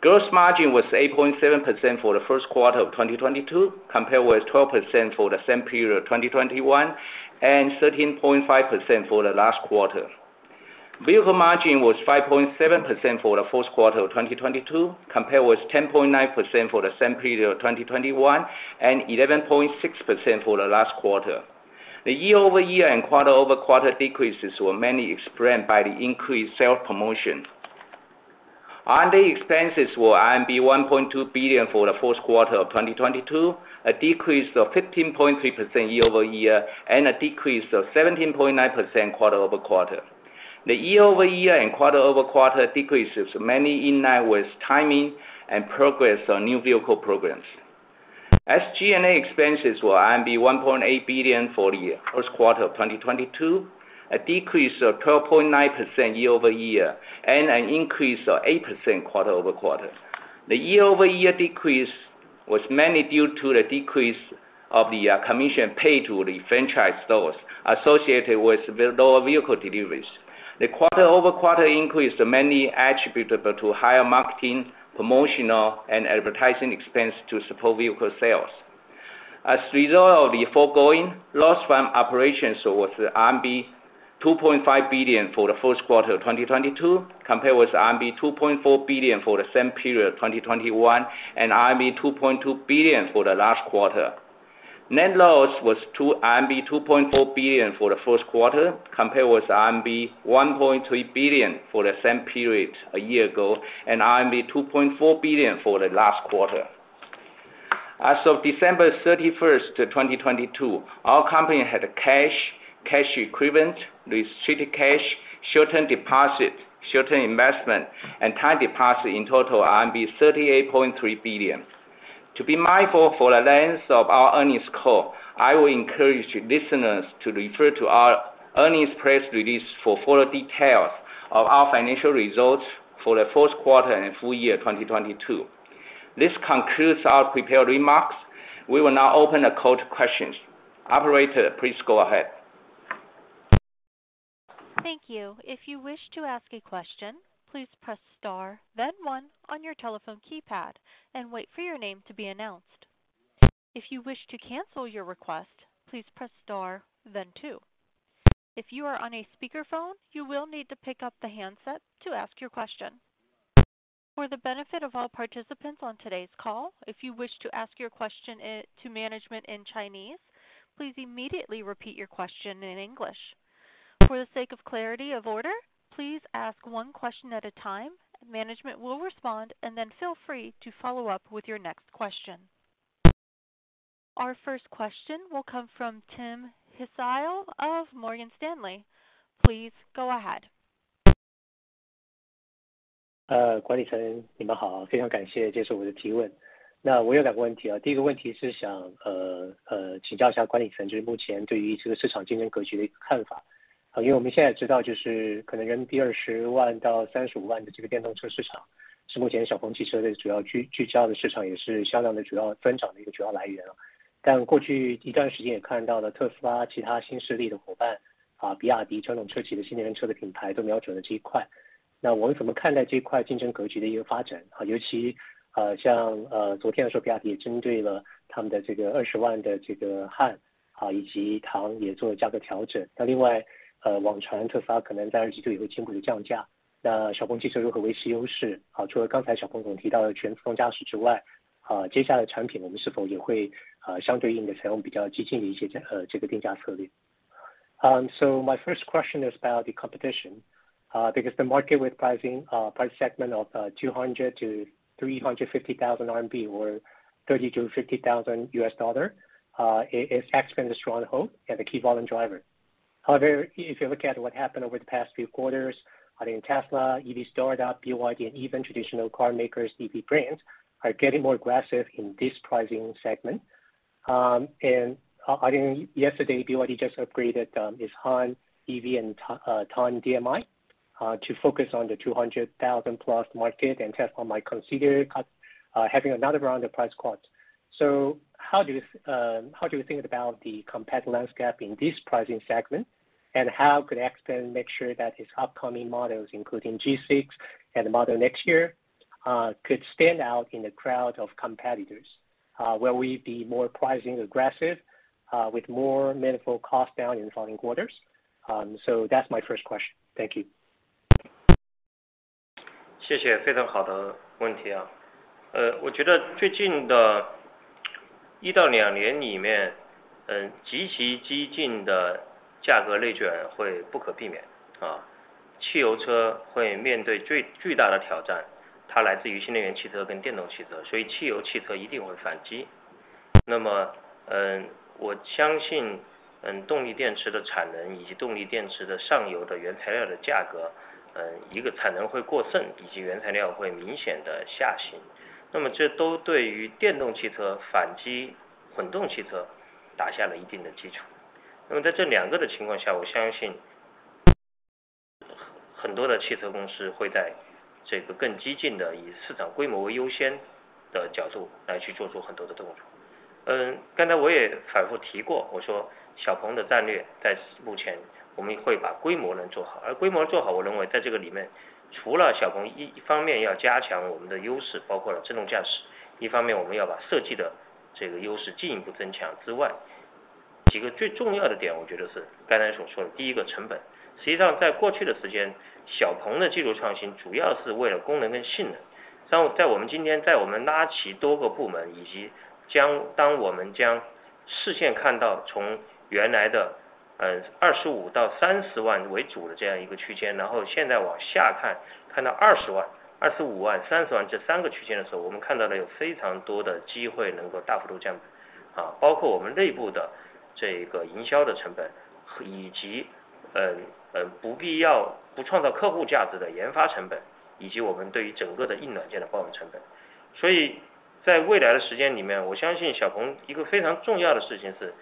Gross margin was 8.7% for the first quarter of 2022, compared with 12% for the same period of 2021 and 13.5% for the last quarter. Vehicle margin was 5.7% for the first quarter of 2022, compared with 10.9% for the same period of 2021 and 11.6% for the last quarter. The year-over-year and quarter-over-quarter decreases were mainly explained by the increased sales promotion. R&D expenses were 1.2 billion for the first quarter of 2022, a decrease of 15.3% year-over-year and a decrease of 17.9% quarter-over-quarter. The year-over-year and quarter-over-quarter decreases mainly in line with timing and progress on new vehicle programs. SG&A expenses were 1.8 billion for the first quarter of 2022, a decrease of 12.9% year-over-year and an increase of 8% quarter-over-quarter. The year-over-year decrease was mainly due to the decrease of the commission paid to the franchise stores associated with lower vehicle deliveries. The quarter-over-quarter increase mainly attributable to higher marketing, promotional and advertising expense to support vehicle sales. As a result of the foregoing, loss from operations was RMB 2.5 billion for the first quarter of 2022, compared with RMB 2.4 billion for the same period 2021 and RMB 2.2 billion for the last quarter. Net loss was RMB 2.4 billion for the first quarter, compared with RMB 1.3 billion for the same period a year ago, and RMB 2.4 billion for the last quarter. As of December 31st, 2022, our company had cash equivalent, restricted cash, short-term deposits, short-term investment and time deposit in total RMB 38.3 billion. To be mindful for the length of our earnings call, I will encourage listeners to refer to our earnings press release for full details of our financial results for the first quarter and full year 2022. This concludes our prepared remarks. We will now open the call to questions. Operator, please go ahead. Thank you. If you wish to ask a question, please press star then one on your telephone keypad and wait for your name to be announced. If you wish to cancel your request, please press star then two. If you are on a speakerphone, you will need to pick up the handset to ask your question. For the benefit of all participants on today's call, if you wish to ask your question to management in Chinese, please immediately repeat your question in English. For the sake of clarity of order, please ask one question at a time and management will respond, and then feel free to follow up with your next question. Our first question will come from Tim Hsiao of Morgan Stanley. Please go ahead. 呃， 管理层你们 好， 非常感谢接受我的提问。那我有两个问题 啊， 第一个问题是 想， 呃， 呃， 请教一下管理 层， 就是目前对于这个市场竞争格局的看法，因为我们现在知道就是可能人民币二十万到三十五万的这个电动车市场是目前小鹏汽车的主要聚-聚焦的市 场， 也是销量的主要增长的一个主要来源。但过去一段时间也看到了特斯拉其他新势力的伙 伴， 啊， 比亚迪、极狐汽车新能源车的品牌都瞄准了这一 块， 那我们怎么看待这一块竞争格局的一个发 展， 尤其像昨天的时候 BYD 也针对了他们的这个 RMB 200,000 的这个汉以及唐也做了价格调整。另外网传 Tesla 可能在 2Q 也会经过一降 价， 小鹏汽车如何维持优 势？ 好， 除了刚才小鹏总提到的全副驾驶之 外， 好， 接下来的产品我们是否也会相对应地采用比较激进的一些这个定价策略。My first question is about the competition, because the market with pricing price segment of 200,000-350,000 RMB or $30,000-$50,000, is XPeng's strong hold and the key volume driver. However, if you look at what happened over the past few quarters, I think Tesla, EV startup, BYD and even traditional car makers, EV brands are getting more aggressive in this pricing segment. I think yesterday BYD just upgraded its Han EV and Tang DM-i to focus on the 200,000 plus market. Tesla might consider having another round of price cuts. How do you think about the competitive landscape in this pricing segment? How could XPeng make sure that its upcoming models, including G6 and the model next year, could stand out in a crowd of competitors? Will we be more pricing aggressive with more meaningful cost down in the following quarters? That's my first question. Thank you. 谢 谢， 非常好的问题啊。呃我觉得最近的一到两年里 面， 嗯极其激进的价格内卷会不可避免 啊， 汽油车会面对最巨大的挑 战， 它来自于新能源汽车跟电动汽 车， 所以汽油汽车一定会反击。那么嗯我相信嗯动力电池的产能以及动力电池的上游的原材料的价 格， 呃一个产能会过 剩， 以及原材料会明显地下 行， 那么这都对于电动汽车反击混动汽车打下了一定的基础。那么在这两个的情况 下， 我相信很-很多的汽车公司会在这个更激进地以市场规模为优先的角度来去做出很多的动作。嗯刚才我也反复提 过， 我说小鹏的战略在目前我们会把规模能做 好， 而规模做 好， 我认为在这个里 面， 除了小鹏一方面要加强我们的优 势， 包括了自动驾 驶， 一方面我们要把设计的这个优势进一步增强之外，几个最重要的点我觉得是刚才所说 的， 第一个成本。实际上在过去的时 间， 小鹏的技术创新主要是为了功能跟性 能， 那么在我们今 天， 在我们拉起多个部 门， 以及将当我们将视线看到从原来的呃二十五到三十万为主的这样一个区 间， 然后现在往下 看， 看到二十万、二十五万、三十万这三个区间的时 候， 我们看到了有非常多的机会能够大幅度降 本， 啊包括我们内部的这个营销的成 本， 以及呃不必要不创造客户价值的研发成 本， 以及我们对于整个的硬软件的包含成本。所以在未来的时间里 面， 我相信小鹏一个非常重要的事情 是，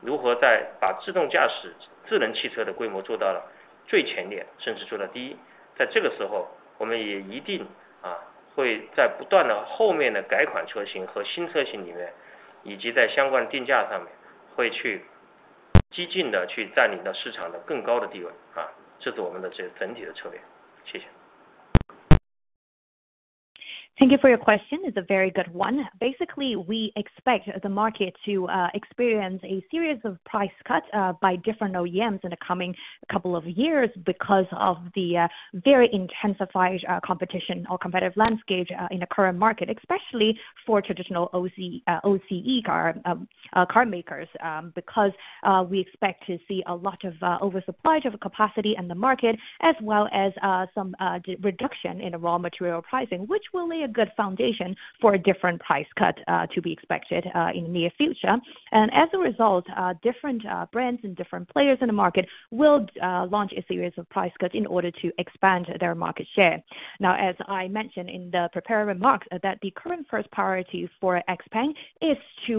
如何在把自动驾驶智能汽车的规模做到了最前 沿， 甚至做到第 一， 在这个时候我们也一定啊会在不断的后面的改款车型和新车型里 面， 以及在相关定价上 面， 会去激进地去占领到市场的更高的地 位， 啊这是我们的这整体的策略。谢谢。Thank you for your question. It's a very good one. Basically, we expect the market to experience a series of price cuts by different OEMs in the coming couple of years because of the very intensified competition or competitive landscape in the current market, especially for traditional OEM car makers, because we expect to see a lot of oversupply of capacity in the market, as well as some reduction in raw material pricing, which will lay a good foundation for a different price cut to be expected in near future. As a result, different brands and different players in the market will launch a series of price cuts in order to expand their market share. As I mentioned in the prepared remarks, that the current first priority for XPeng is to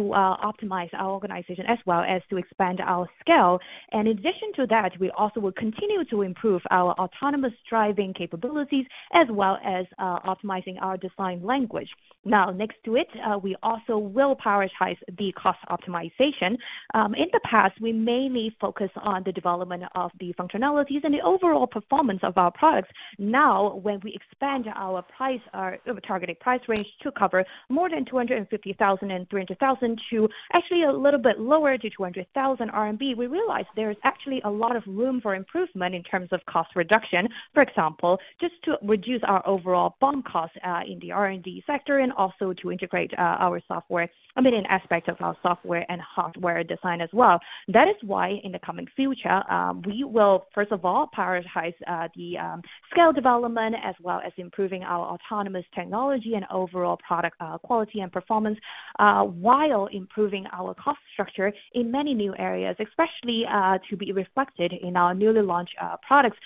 optimize our organization as well as to expand our scale. In addition to that, we also will continue to improve our autonomous driving capabilities as well as optimizing our design language. Next to it, we also will prioritize the cost optimization. In the past, we mainly focus on the development of the functionalities and the overall performance of our products. When we expand our price, our targeted price range to cover more than 250,000 and 300,000 to actually a little bit lower to 200,000 RMB, we realize there is actually a lot of room for improvement in terms of cost reduction. For example, just to reduce our overall bond costs in the R&D sector and also to integrate our software, I mean in aspect of our software and hardware design as well. That is why in the coming future, we will first of all prioritize the scale development as well as improving our autonomous technology and overall product quality and performance, while improving our cost structure in many new areas, especially to be reflected in our newly launched products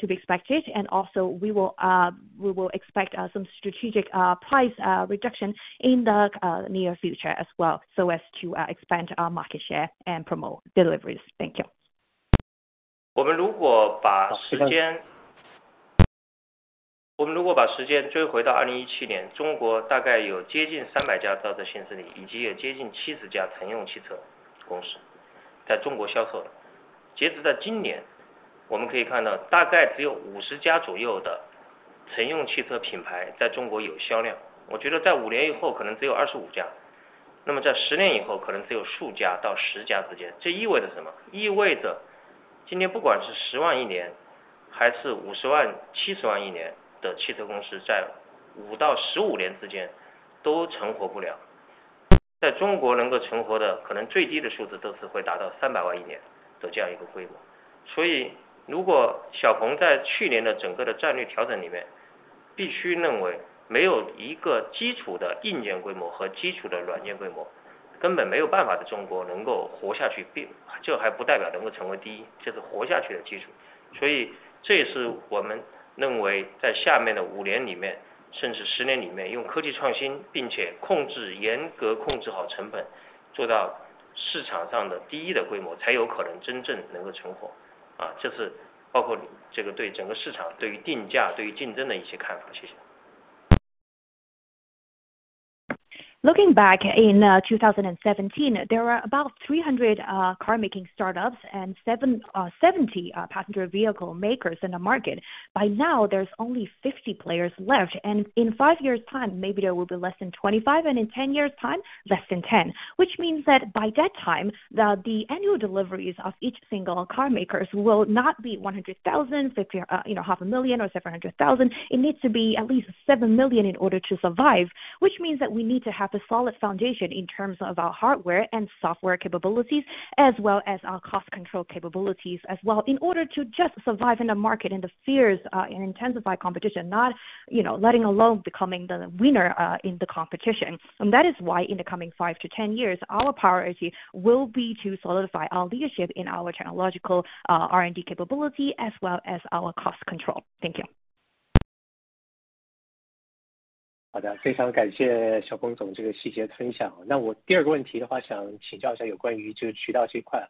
to be expected. We will expect some strategic price reduction in the near future as well, so as to expand our market share and promote deliveries. Thank you. 我们如果把时间 ...我 们如果把时间追回到 2017年， 中国大概有接近 300家 造车新势 力， 以及有接近 70家 乘用汽车公司在中国销售。截止到今 年， 我们可以看到大概只有 50家 左右的乘用汽车品牌在中国有销量。我觉得在 5年 以后可能只有 25家， 在 10年 以后可能只有 数家到10家 之间。这意味着什 么？ 意味着今天不管是 10万 一 年， 还是 50万、70万 一年的汽车公 司， 在 5到15年 之间都存活不了。在中国能够存活的可能最低的数字都是会达到 300万 一年的这样一个规模。如果 XPeng 在去年的整个的战略调整里面，必须认为没有一个基础的硬件规模和基础的软件规 模， 根本没有办法在中国能够活下 去， 这还不代表能够成为第 一， 这是活下去的基础。这也是我们认为在下面的 5年 里 面， 甚至 10年 里 面， 用科技创 新， 并且控制严格控制好成 本， 做到市场上的第一的规 模， 才有可能真正能够存活。这是包括这个对整个市 场， 对于定 价， 对于竞争的一些看 法， 谢谢。Looking back in 2017. There are about 300 car making startups and 70 passenger vehicle makers in the market. By now there's only 50 players left, and in five years time, maybe there will be less than 25, and in 10 years time less than 10. By that time, the annual deliveries of each single car makers will not be 100,000, 50, you know half a million or 700,000, it needs to be at least 7 million in order to survive. We need to have a solid foundation in terms of our hardware and software capabilities as well as our cost control capabilities as well in order to just survive in the market and the fears and intensify competition, not, you know, letting alone becoming the winner in the competition. That is why in the coming 5 to 10 years, our priority will be to solidify our leadership in our technological, R&D capability as well as our cost control. Thank you. 好 的， 非常感谢小鹏总这个细节的分享。我第二个问题的 话， 想请教一下有关于这个渠道这一块。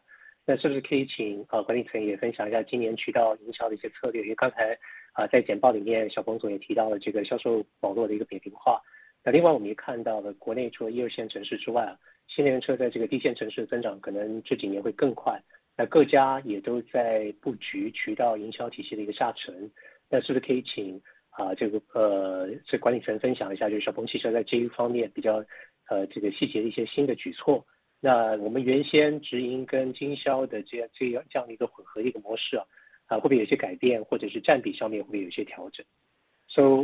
是不是可以请管理层也分享一下今年渠道营销的一些策略。刚才在简报里 面， 小鹏总也提到了这个销售网络的一个扁平化。另外我们也看到了国内除了一二线城市之 外， 新能源车在这个低线城市的增长可能这几年会更快。各家也都在布局渠道营销体系的一个下沉。是不是可以请管理层分享一 下， 就是小鹏汽车在这一方面比较细节的一些新的举措。我们原先直营跟经销的这样一个混合的一个模 式， 会不会有些改 变， 或者是占比上面会不会有一些调整。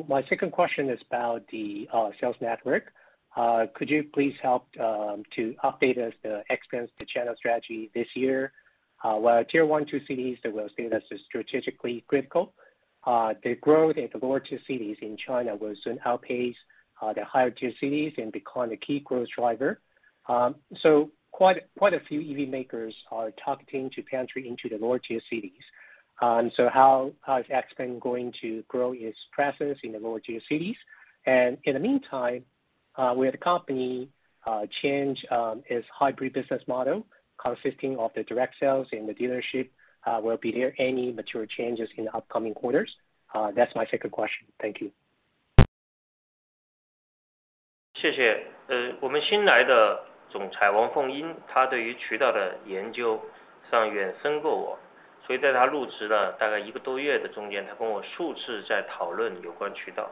My second question is about the sales network. Could you please help to update us the XPeng's channel strategy this year? Well tier one, two cities that will say that's strategically critical. The growth in the lower tier cities in China will soon outpace the higher tier cities and become the key growth driver. Quite a few EV makers are targeting to pantry into the lower tier cities. How is XPeng going to grow its presence in the lower tier cities? In the meantime, will the company change its hybrid business model consisting of the direct sales and the dealership? Will there be any material changes in the upcoming quarters? That's my second question. Thank you. 谢谢。呃， 我们新来的总裁王凤 英， 她对于渠道的研究实际上远深过 我， 所以在她入职了大概一个多月的中 间， 她跟我数次在讨论有关渠道。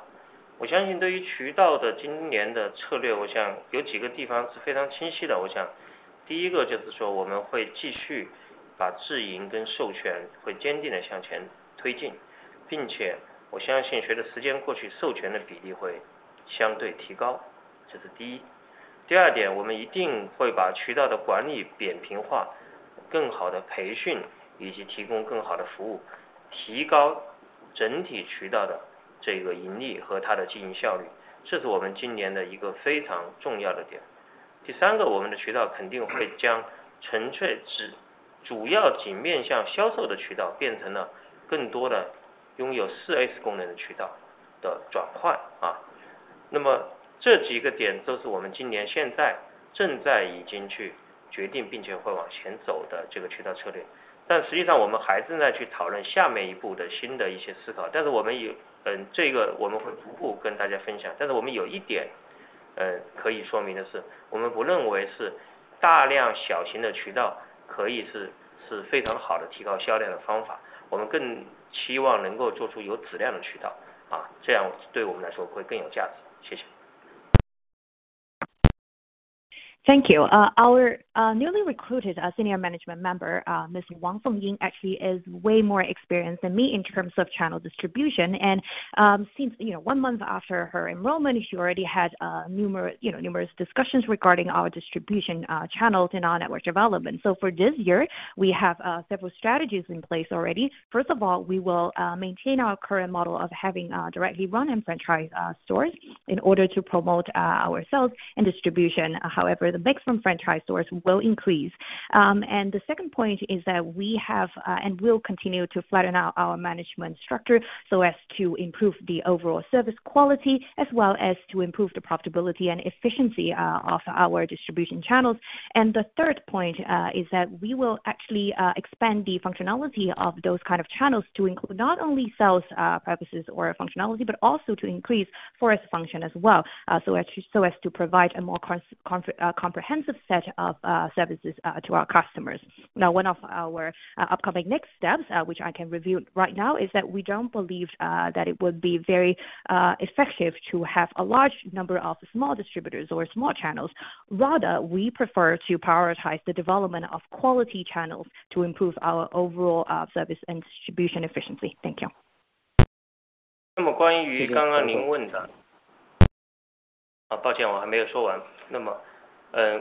我相信对于渠道的今年的策 略， 我想有几个地方是非常清晰的。我想第一个就是说我们会继续把直营跟授权会坚定地向前推 进， 并且我相信随着时间过 去， 授权的比例会相对提 高， 这是第一。第二 点， 我们一定会把渠道的管理扁平 化， 更好地培训以及提供更好的服 务， 提高整体渠道的这个盈利和它的经营效 率， 这是我们今年的一个非常重要的点。第三 个， 我们的渠道肯定会将纯粹 只， 主要仅面向销售的渠道变成了更多的拥有四 S 功能的渠道的转换。啊， 那么这几个点都是我们今年现在正在已经去决定并且会往前走的这个渠道策略。但实际上我们还正在去讨论下面一步的新的一些思 考， 但是我们 也， 嗯， 这个我们会逐步跟大家分 享， 但是我们有一 点， 呃， 可以说明的 是， 我们不认为是大量小型的渠道可以的 是， 是非常好的提高销量的方 法， 我们更期望能够做出有质量的渠 道， 啊， 这样对我们来说会更有价值。谢谢。Thank you. Our newly recruited senior management member, miss Fengying Wang, actually is way more experienced than me in terms of channel distribution. Since you know one month after her enrollment, she already had numerous discussions regarding our distribution channels and our network development. For this year, we have several strategies in place already. First of all, we will maintain our current model of having directly run and franchise stores in order to promote our sales and distribution. However, the mix from franchise stores will increase. The second point is that we have and will continue to flatten out our management structure so as to improve the overall service quality as well as to improve the profitability and efficiency of our distribution channels. The third point is that we will actually expand the functionality of those kind of channels to include not only sales purposes or functionality, but also to increase forest function as well so as to provide a more comprehensive set of services to our customers. One of our upcoming next steps, which I can review right now, is that we don't believe that it would be very effective to have a large number of small distributors or small channels. Rather, we prefer to prioritize the development of quality channels to improve our overall service and distribution efficiency. Thank you. 那么关于刚刚您问的抱 歉， 我还没有说完。那么 呃，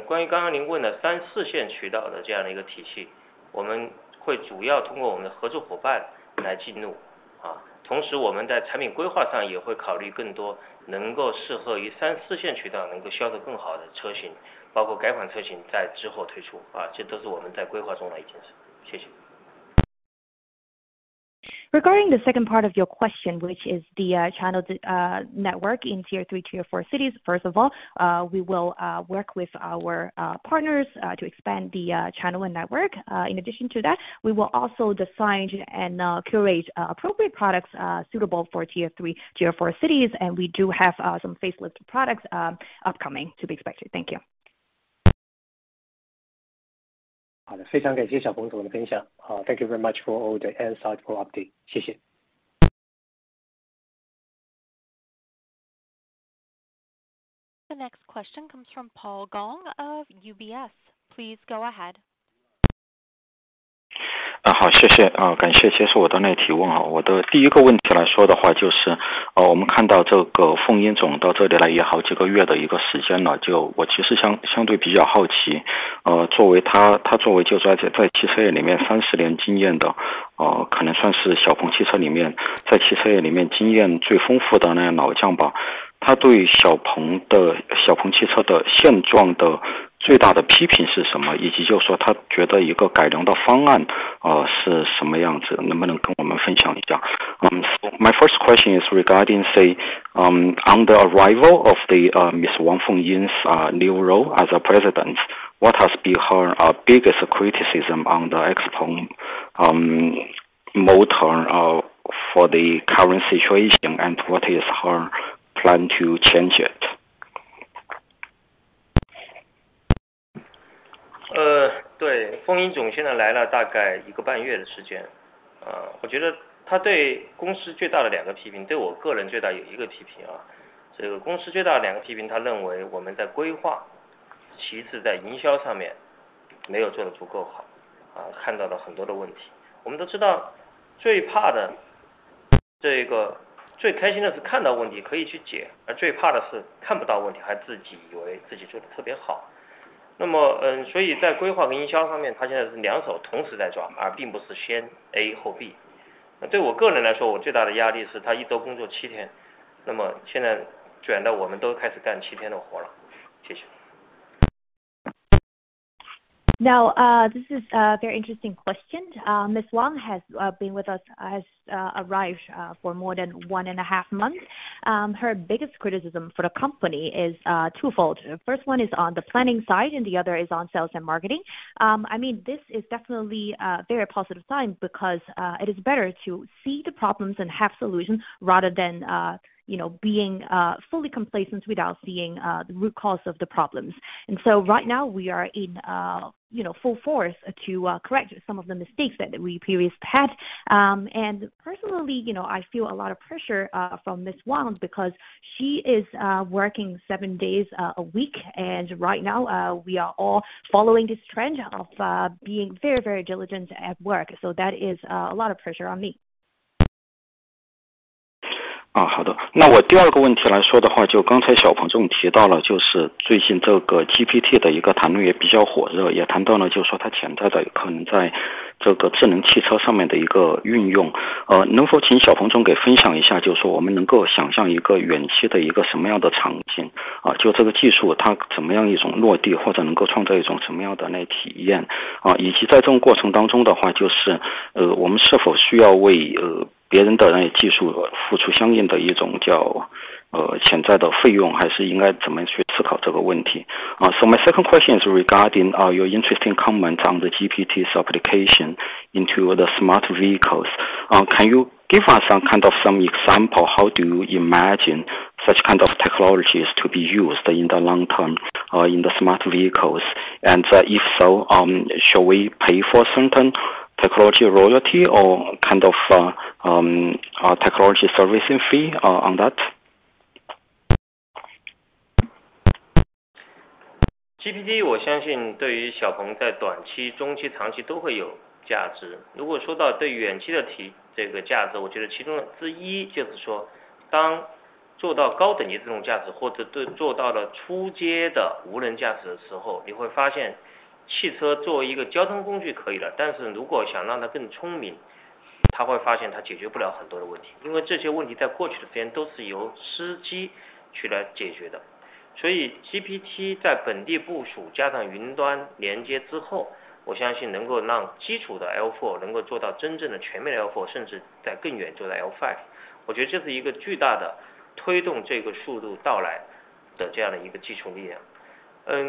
关于刚刚您问的三四线渠道的这样的一个体 系， 我们会主要通过我们的合作伙伴来进 入， 啊同时我们在产品规划上也会考虑更多能够适合于三四线渠 道， 能够销售得更好的车 型， 包括改款车型在之后推出 啊， 这都是我们在规划中的一件事。谢谢。Regarding the second part of your question, which is the channel network in tier three, tier four cities. First of all, we will work with our partners to expand the channel and network. In addition to that, we will also design and curate appropriate products suitable for Tier 3, tier four cities. We do have some facelift products upcoming to be expected. Thank you. 好 的， 非常感谢小鹏总的分享。Thank you very much for all the insightful update. 谢谢。The next question comes from Paul Gong of UBS. Please go ahead. 好， 谢谢。感谢接受我的问题问啊。我的第一个问题来说的 话， 就是我们看到这个冯英总到这里来也好几个月的一个时间 了， 就我其实相-相对比较好 奇， 呃， 作为 她， 她作为就是在在汽车业里面三十年经验的 哦， 可能算是小鹏汽车里 面， 在汽车业里面经验最丰富的那些老将 吧， 她对小鹏的小鹏汽车的现状的最大的批评是什 么？ 以及就是说她觉得一个改良的方案 啊， 是什么样 子？ 能不能跟我们分享一下。Um my first question is regarding say um on the arrival of the uh Ms. Wang Fengying's new role as a president, what has been her biggest criticism on the XPeng Motor for the current situation and what is her plan to change it? 对。冯英总现在来了大概一个半月的时 间， 我觉得她对公司最大的两个批 评， 对我个人最大有一个批 评， 这个公司最大的两个批 评， 她认为我们在规 划， 其次在营销上面没有做得足够 好， 看到了很多的问题。我们都知 道， 最怕的这一 个， 最开心的是看到问题可以去 解， 而最怕的是看不到问 题， 还自己以为自己做得特别好。那么在规划跟营销方 面， 她现在是两手同时在 抓， 而并不是先 A 后 B。对我个人来 说， 我最大的压力是她一週工作七 天， 那么现在卷得我们都开始干七天的活了。谢谢。Now this is a very interesting question. Ms. Wang has been with us has arrived for more than one and a half month. Her biggest criticism for the company is twofold. The first one is on the planning side and the other is on sales and marketing. I mean this is definitely a very positive sign because it is better to see the problems and have solutions rather than, you know, being fully complacent without seeing the root cause of the problems. Right now we are in, you know, full force to correct some of the mistakes that we previously had. Personally, you know, I feel a lot of pressure from Ms. Wang because she is working seven days a week, and right now we are all following this trend of being very, very diligent at work. That is a lot of pressure on me. 好 的， 我第二个问题来说的 话， 就刚才小鹏总提到 了， 就是最近这个 GPT 的一个讨论也比较火 热， 也谈到 了， 就说它潜在的可能在这个智能汽车上面的一个运用。能否请小鹏总给分享一 下， 就是说我们能够想象一个远期的一个什么样的场 景， 就这个技术它怎么样一种落 地， 或者能够创造一种什么样的那些体 验， 以及在这种过程当中的 话， 就是我们是否需要为别人的那些技术付出相应的一种叫潜在的费 用， 还是应该怎么去思考这个问题。My second question is regarding your interesting comment on the GPT application into the smart vehicles? Can you give us some kind of example how do you imagine such kind of technologies to be used in the long term or in the smart vehicles? If so, shall we pay for certain technology royalty or kind of technology servicing fee on that? GPT 我相信对于 XPeng 在短期、中期、长期都会有价值。如果说到对远期的提这个价 值， 我觉得其中的之一就是说当做到高等级的自动驾驶或者做到了初阶的无人驾驶的时 候， 你会发现汽车作为一个交通工具可以 了， 但是如果想让它更聪 明， 它会发现它解决不了很多的问 题， 因为这些问题在过去的时间都是由司机去来解决的。GPT 在本地部署加上云端连接之 后， 我相信能够让基础的 L4 能够做到真正的全面 L4， 甚至在更远处的 L5， 我觉得这是一个巨大的推动这个速度到来的这样的一个基础力量。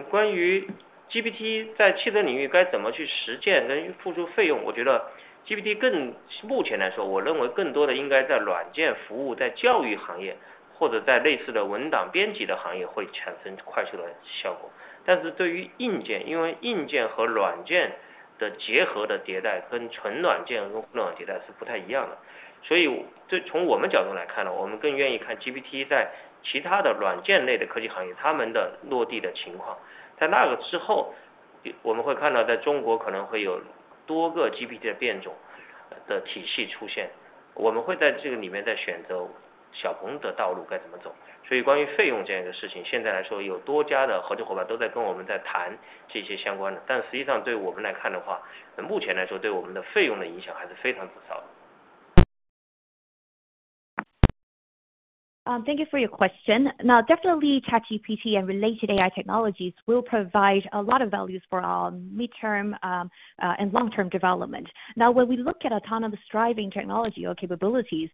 关于 GPT 在汽车领域该怎么去实践跟付出费 用， 我觉得 GPT 更目前来 说， 我认为更多的应该在软件服 务， 在教育行 业， 或者在类似的文档编辑的行业会产生快速的效果。对于硬 件， 因为硬件和软件的结合的迭代跟纯软件和软件迭代是不太一样的。这从我们角度来看 呢， 我们更愿意看 GPT 在其他的软件类的科技行 业， 它们的落地的情况。在那个之 后， 我们会看到在中国可能会有多个 GPT 的变种。的体系出 现， 我们会在这个里面再选择 XPeng 的道路该怎么走。关于费用这件事 情， 现在来 说， 有多家的合作伙伴都在跟我们在谈这些相关 的， 但实际上对于我们来看的 话， 目前来说对我们的费用的影响还是非常不高的。Thank you for your question. Definitely ChatGPT and related AI technologies will provide a lot of values for our mid-term and long-term development. When we look at autonomous driving technology or capabilities,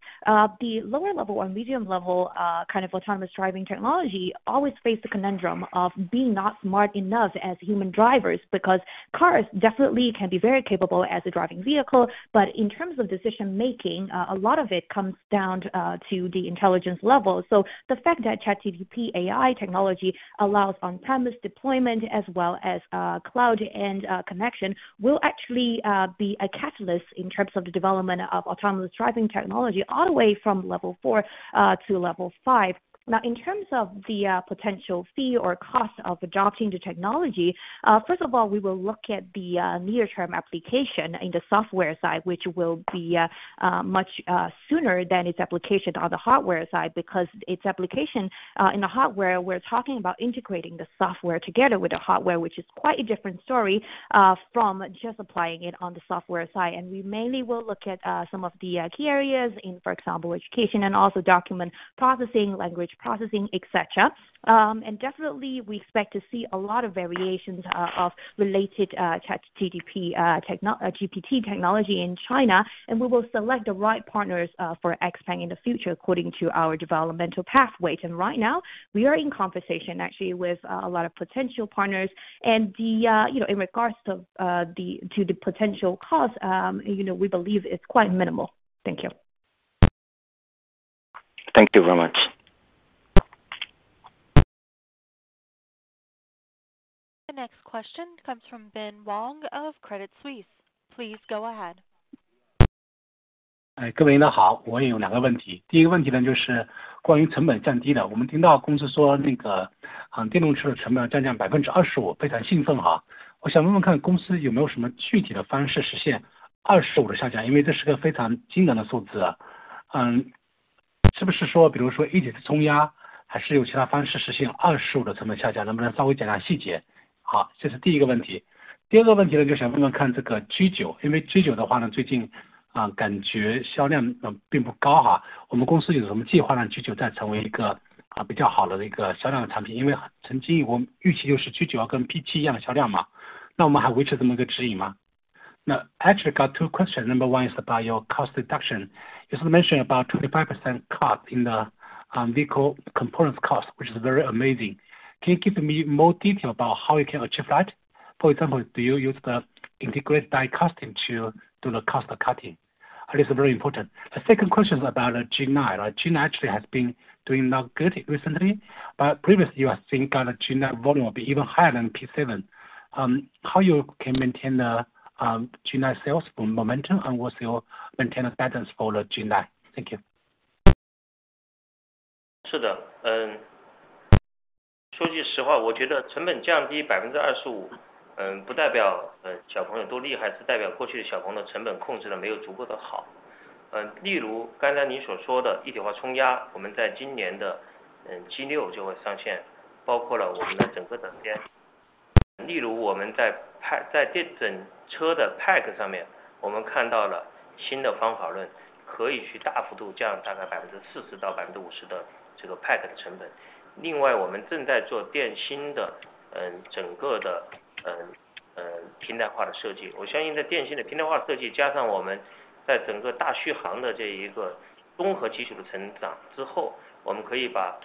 the lower level or medium level kind of autonomous driving technology always face the conundrum of being not smart enough as human drivers, because cars definitely can be very capable as a driving vehicle. In terms of decision making, a lot of it comes down to the intelligence level. The fact that ChatGPT AI technology allows on premise deployment as well as cloud end connection will actually be a catalyst in terms of the development of autonomous driving technology all the way from Level 4 to Level 5. In terms of the potential fee or cost of adopting the technology. First of all, we will look at the near-term application in the software side, which will be much sooner than its application on the hardware side, because its application in the hardware we're talking about integrating the software together with the hardware, which is quite a different story from just applying it on the software side. We mainly will look at some of the key areas in for example education and also document processing, language processing etc. Definitely we expect to see a lot of variations of related ChatGPT GPT technology in China and we will select the right partners for XPeng in the future according to our developmental pathways. Right now we are in conversation actually with a lot of potential partners and, you know, in regards to the potential cost, you know, we believe it's quite minimal. Thank you. Thank you very much. The next question comes from Bin Wang of Crédit Suisse. Please go ahead. 各位领导好，我也有2个问题。第一个问题，就是关于成本降低，我们听到公司说电动车的成本要降25%，非常兴奋。我想问问看公司有没有什么具体的方式实现25%的下降，因为这是个非常惊人的数字。是不是说比如说一体化压铸，还是有其他方式实现25%的成本下降，能不能稍微讲讲细节？这是第一个问题。第二个问题，就想问问看这个G9，因为G9最近感觉销量并不高，我们公司有什么计划让G9再成为一个比较好的一个销量的产品，因为曾经我们预期就是G9要跟P7一样的销量，我们还维持这么一个指引吗？actually got two questions. Number one is about your cost reduction. You mentioned about 25% cut in the vehicle components cost, which is very amazing. Can you give me more detail about how you can achieve that? For example, do you use the integrated die casting to do the cost cutting? It is very important. The second question is about G9 actually has been doing not good recently, but previously you are think that G9 volume will be even higher than P7. how you can maintain the G9 sales momentum and what's your maintenance guidance for the G9? Thank you. 是的，说句实 话， 我觉得成本降低 25% 不代表 XPeng 有多厉 害， 是代表过去 XPeng 的成本控制得没有足够的好。例如刚才您所说的 一体化压铸， 我们在今年的 G6 就会上 线， 包括了我们的整个整车。例如我们在电整车的 pack 上 面， 我们看到了新的方法 论， 可以去大幅度降低大概 40%-50% 的这个 pack 的成本。另外我们正在做电芯的整个的平台化的设 计， 我相信在电芯的平台化设 计， 加上我们在整个大续航的这一个综合技术的成长之 后， 我们可以把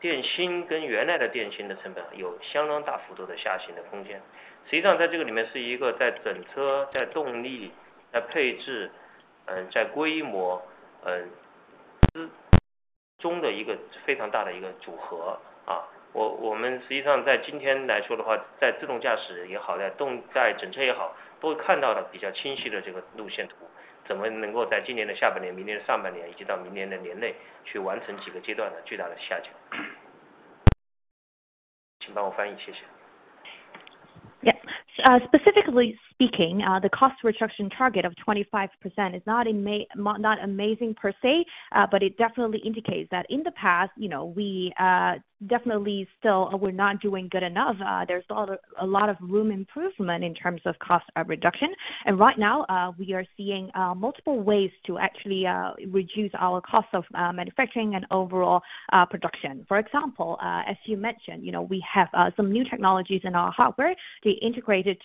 电芯跟原来的电芯的成本有相当大幅度的下行的空间。实际上在这个里面是一个在整 车， 在动 力， 在配 置， 在规模之中的一个非常大的一个组合。我们实际上在今天来说的 话， 在自动驾驶也 好， 在整车也 好， 都看到了比较清晰的这个路线 图， 怎么能够在今年的下半 年， 明年的上半 年， 以及到明年的年内去完成几个阶段的巨大的下降。请帮我翻 译， 谢谢。Yeah, specifically speaking, the cost reduction target of 25% is not amazing per se, but it definitely indicates that in the past, you know, we definitely still we're not doing good enough. There's still a lot of room improvement in terms of cost reduction. Right now, we are seeing multiple ways to actually reduce our cost of manufacturing and overall production. For example, as you mentioned, you know we have some new technologies in our hardware, the integrated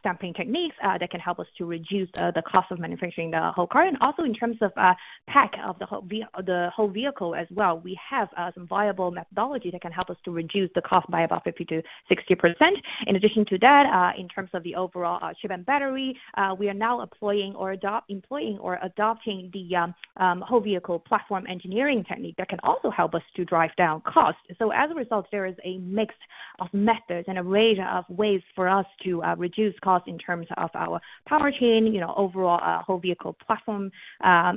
stamping techniques that can help us to reduce the cost of manufacturing the whole car. Also in terms of pack of the whole vehicle as well, we have some viable methodology that can help us to reduce the cost by about 50%-60%. In addition to that, in terms of the overall chip and battery, we are now employing or adopting the whole vehicle platform engineering technique that can also help us to drive down cost. As a result, there is a mix of methods and array of ways for us to reduce cost in terms of our powertrain, you know, overall whole vehicle platform,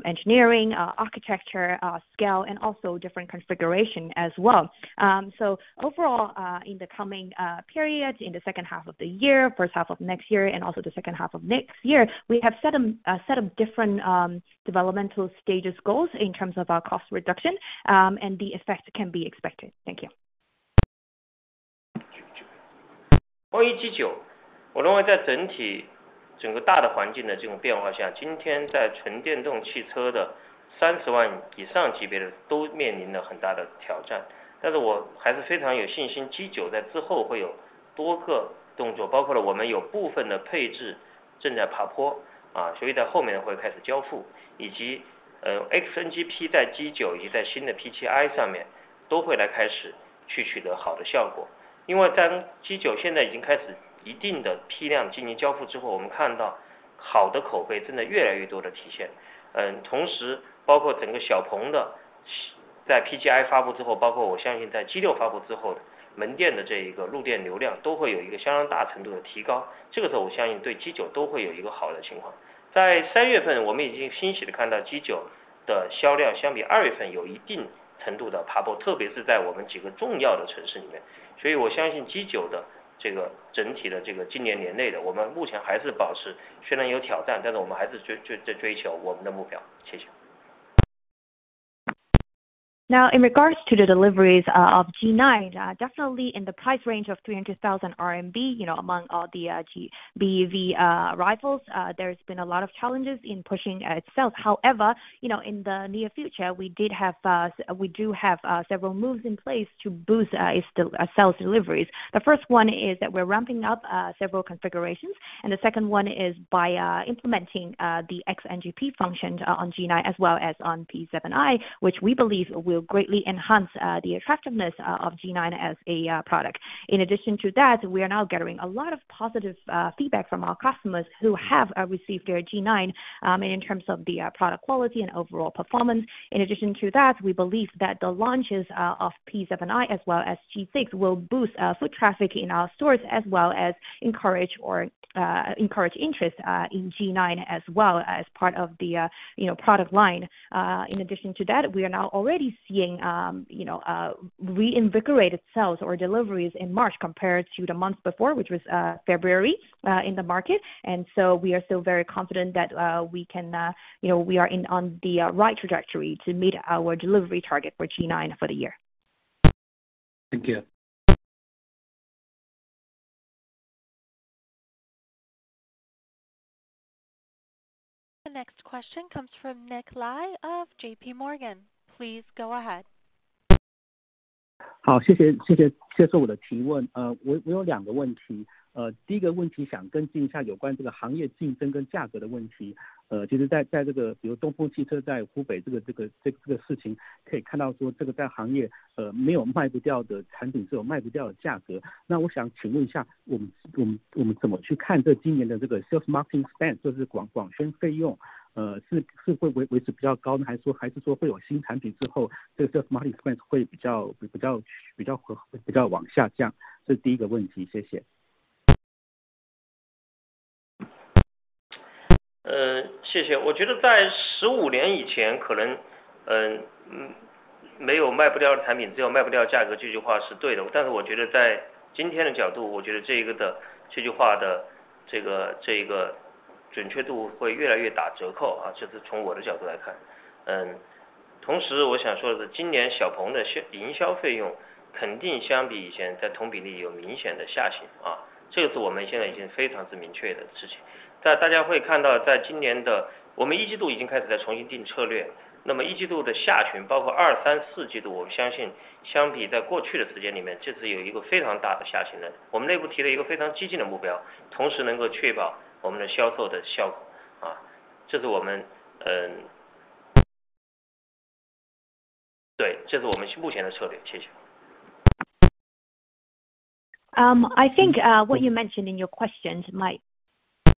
engineering, architecture, scale, and also different configuration as well. Overall, in the coming period, in the second half of the year, first half of next year, and also the second half of next year, we have set a set of different developmental stages goals in terms of our cost reduction, and the effect can be expected. Thank you. 关于 G9， 我认为在整体整个大的环境的这种变化 下， 今天在纯电动汽车的 RMB 300,000 以上级别的都面临着很大的挑 战， 我还是非常有信心 ，G9 在之后会有多个动 作， 包括了我们有部分的配置正在爬 坡， 所以在后面会开始交 付， 以及 XNGP 在 G9 以及在新的 P7i 上面都会来开始去取得好的效果。当 G9 现在已经开始一定的批量进行交付之 后， 我们看到好的口碑正在越来越多地体现。包括整个 XPeng 的在 P7i 发布之 后， 包括我相信在 G6 发布之 后， 门店的这一个入店流量都会有一个相当大程度的提 高， 这个时候我相信对 G9 都会有一个好的情况。在三月份我们已经欣喜地看到 G9 的销量相比二月份有一定程度的爬 坡， 特别是在我们几个重要的城市里 面， 我相信 G9 的这个整体的这个今年年内 的， 我们目前还是保 持， 虽然有挑 战， 我们还是追求我们的目标。谢谢。In regards to the deliveries of G9, definitely in the price range of 300,000 RMB, you know, among all the BEV arrivals, there's been a lot of challenges in pushing itself. You know, in the near future, we do have several moves in place to boost its sales deliveries. The first one is that we're ramping up several configurations, and the second one is by implementing the XNGP function on G9 as well as on P7i, which we believe will greatly enhance the attractiveness of G9 as a product. In addition to that, we are now gathering a lot of positive feedback from our customers who have received their G9, in terms of the product quality and overall performance. In addition to that, we believe that the launches of P7i as well as G6 will boost foot traffic in our stores as well as encourage interest in G9 as well as part of the, you know, product line. In addition to that, we are now already seeing, you know, reinvigorated sales or deliveries in March compared to the month before, which was February in the market. We are still very confident that we can, you know, we are in on the right trajectory to meet our delivery target for G9 for the year. Thank you. The next question comes from Nick Lai of JPMorgan. Please go ahead. 好， 谢 谢， 谢谢。谢谢我的提问。呃， 我-我有两个问 题， 呃， 第一个问题想跟进一下有关这个行业竞争跟价格的问 题， 呃， 其实在-在这 个， 比如东风汽车在湖北这 个， 这 个， 这个事 情， 可以看到说这个在行 业， 呃， 没有卖不掉的产 品， 只有卖不掉的价格。那我想请问一 下， 我 们， 我 们， 我们怎么去看这个今年的这个 sales marketing spend， 就是广-广宣费 用， 呃，是-是会维-维持比较 高， 还是 说， 还是说会有新产品之 后， 这个 sales marketing spend 会比 较， 比 较， 比 较， 比较往下降。这是第一个问题。谢谢。谢谢。我觉得在15年以前可能没有卖不掉的产 品， 只有卖不掉的价 格， 这句话是对的。我觉得在今天的角 度， 我觉得这句话的准确度会越来越打折扣。这是从我的角度来看。同时我想说的 是， 今年小鹏的营销费用肯定相比以前在同比例有明显的下行。这个是我们现在已经非常之明确的事情。大家会看到在今年 的， 我们 Q1 已经开始在重新定策略 ，那 么 Q1 的下 群， 包括 Q2、Q3、Q4， 我们相信相比在过去的时间里 面， 这是有一个非常大的下行的。我们内部提了一个非常激进的目 标， 同时能够确保我们的销售的效果。这是我们。对，这 是我们目前的策略。谢谢。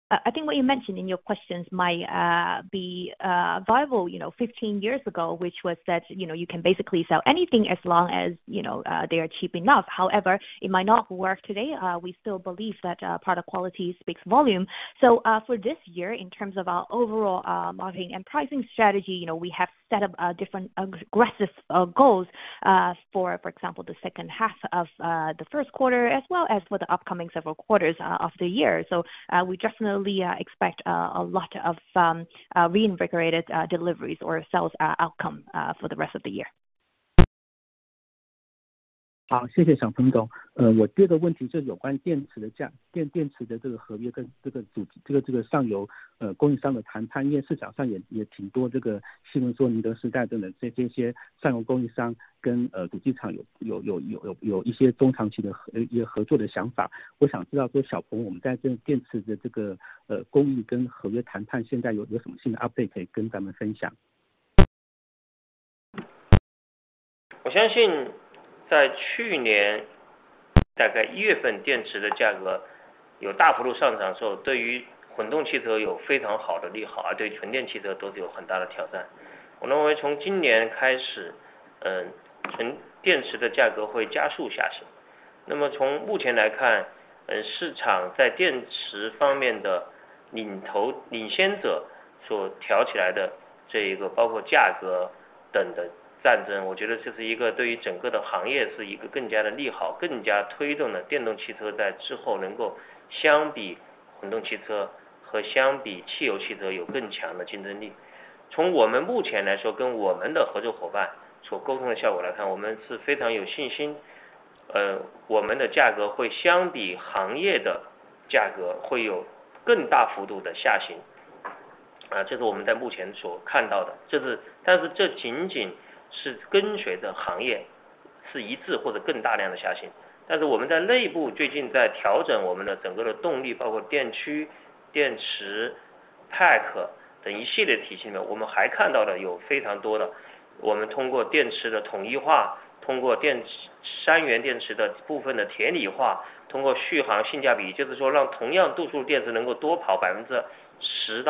I think what you mentioned in your questions might be viable, you know, 15 years ago, which was that, you know, you can basically sell anything as long as, you know, they are cheap enough. However, it might not work today. We still believe that product quality speaks volume. For this year, in terms of our overall marketing and pricing strategy, you know, we have set up different aggressive goals for example, the second half of the first quarter as well as for the upcoming several quarters of the year. We definitely expect a lot of reinvigorated deliveries or sales outcome for the rest of the year. 好， 谢谢小鹏总。呃， 我第二个问题就是有关电池的 价， 电-电池的这个合约跟这个组 织， 这 个， 这个上 游， 呃， 供应商的谈-谈 判， 因为市场上也-也挺多这个新闻说宁德时代等 等， 这这些上游供应商 跟， 呃， 主机厂有-有-有-有-有一些中长期的 合， 一些合作的想法。我想知道做小鹏我们在这个电池的这 个， 呃， 供应跟合约谈判现在有-有什么新的 update 可以跟咱们分享。我相信在去年大概1 月份电池的价格有大幅度上涨的时 候， 对于混动汽车有非常好的利 好， 而对纯电汽车都具有很大的挑战。我认为从今年开 始， 纯电池的价格会加速下行。从目前来 看， 市场在电池方面的领 头， 领先者所挑起来的这1个包括价格等的战 争， 我觉得这是1个对于整个的行业是1个更加的利 好， 更加推动了电动汽车在之后能够相比混动汽车和相比汽油汽车有更强的竞争力。从我们目前来 说， 跟我们的合作伙伴所沟通的效果来 看， 我们是非常有信 心， 我们的价格会相比行业的价格会有更大幅度的下 行， 这是我们在目前所看到 的， 这 是， 但是这仅仅是跟随著行业是一致或者更大量的下行。我们在内部最近在调整我们的整个的动 力， 包括电驱、电池、pack 等1系列体系 呢， 我们还看到的有非常多 的， 我们通过电池的统一 化， 通过电池三元电池的部分的铁锂 化， 通过续航性价 比， 就是说让同样度数电池能够多跑 10%-20%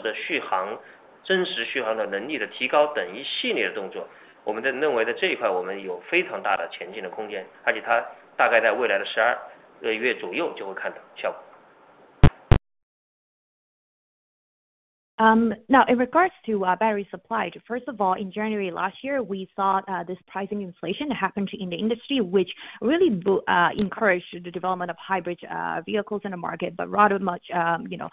的续航，真实续航的能力的提高等1系列的动作。我们在认为的这1 块， 我们有非常大的前进的空 间， 而且它大概在未来的12个月左右就会看到效果。Now in regards to our battery supply. First of all, in January last year, we saw this pricing inflation happened in the industry, which really encouraged the development of hybrid vehicles in the market, but rather much, you know,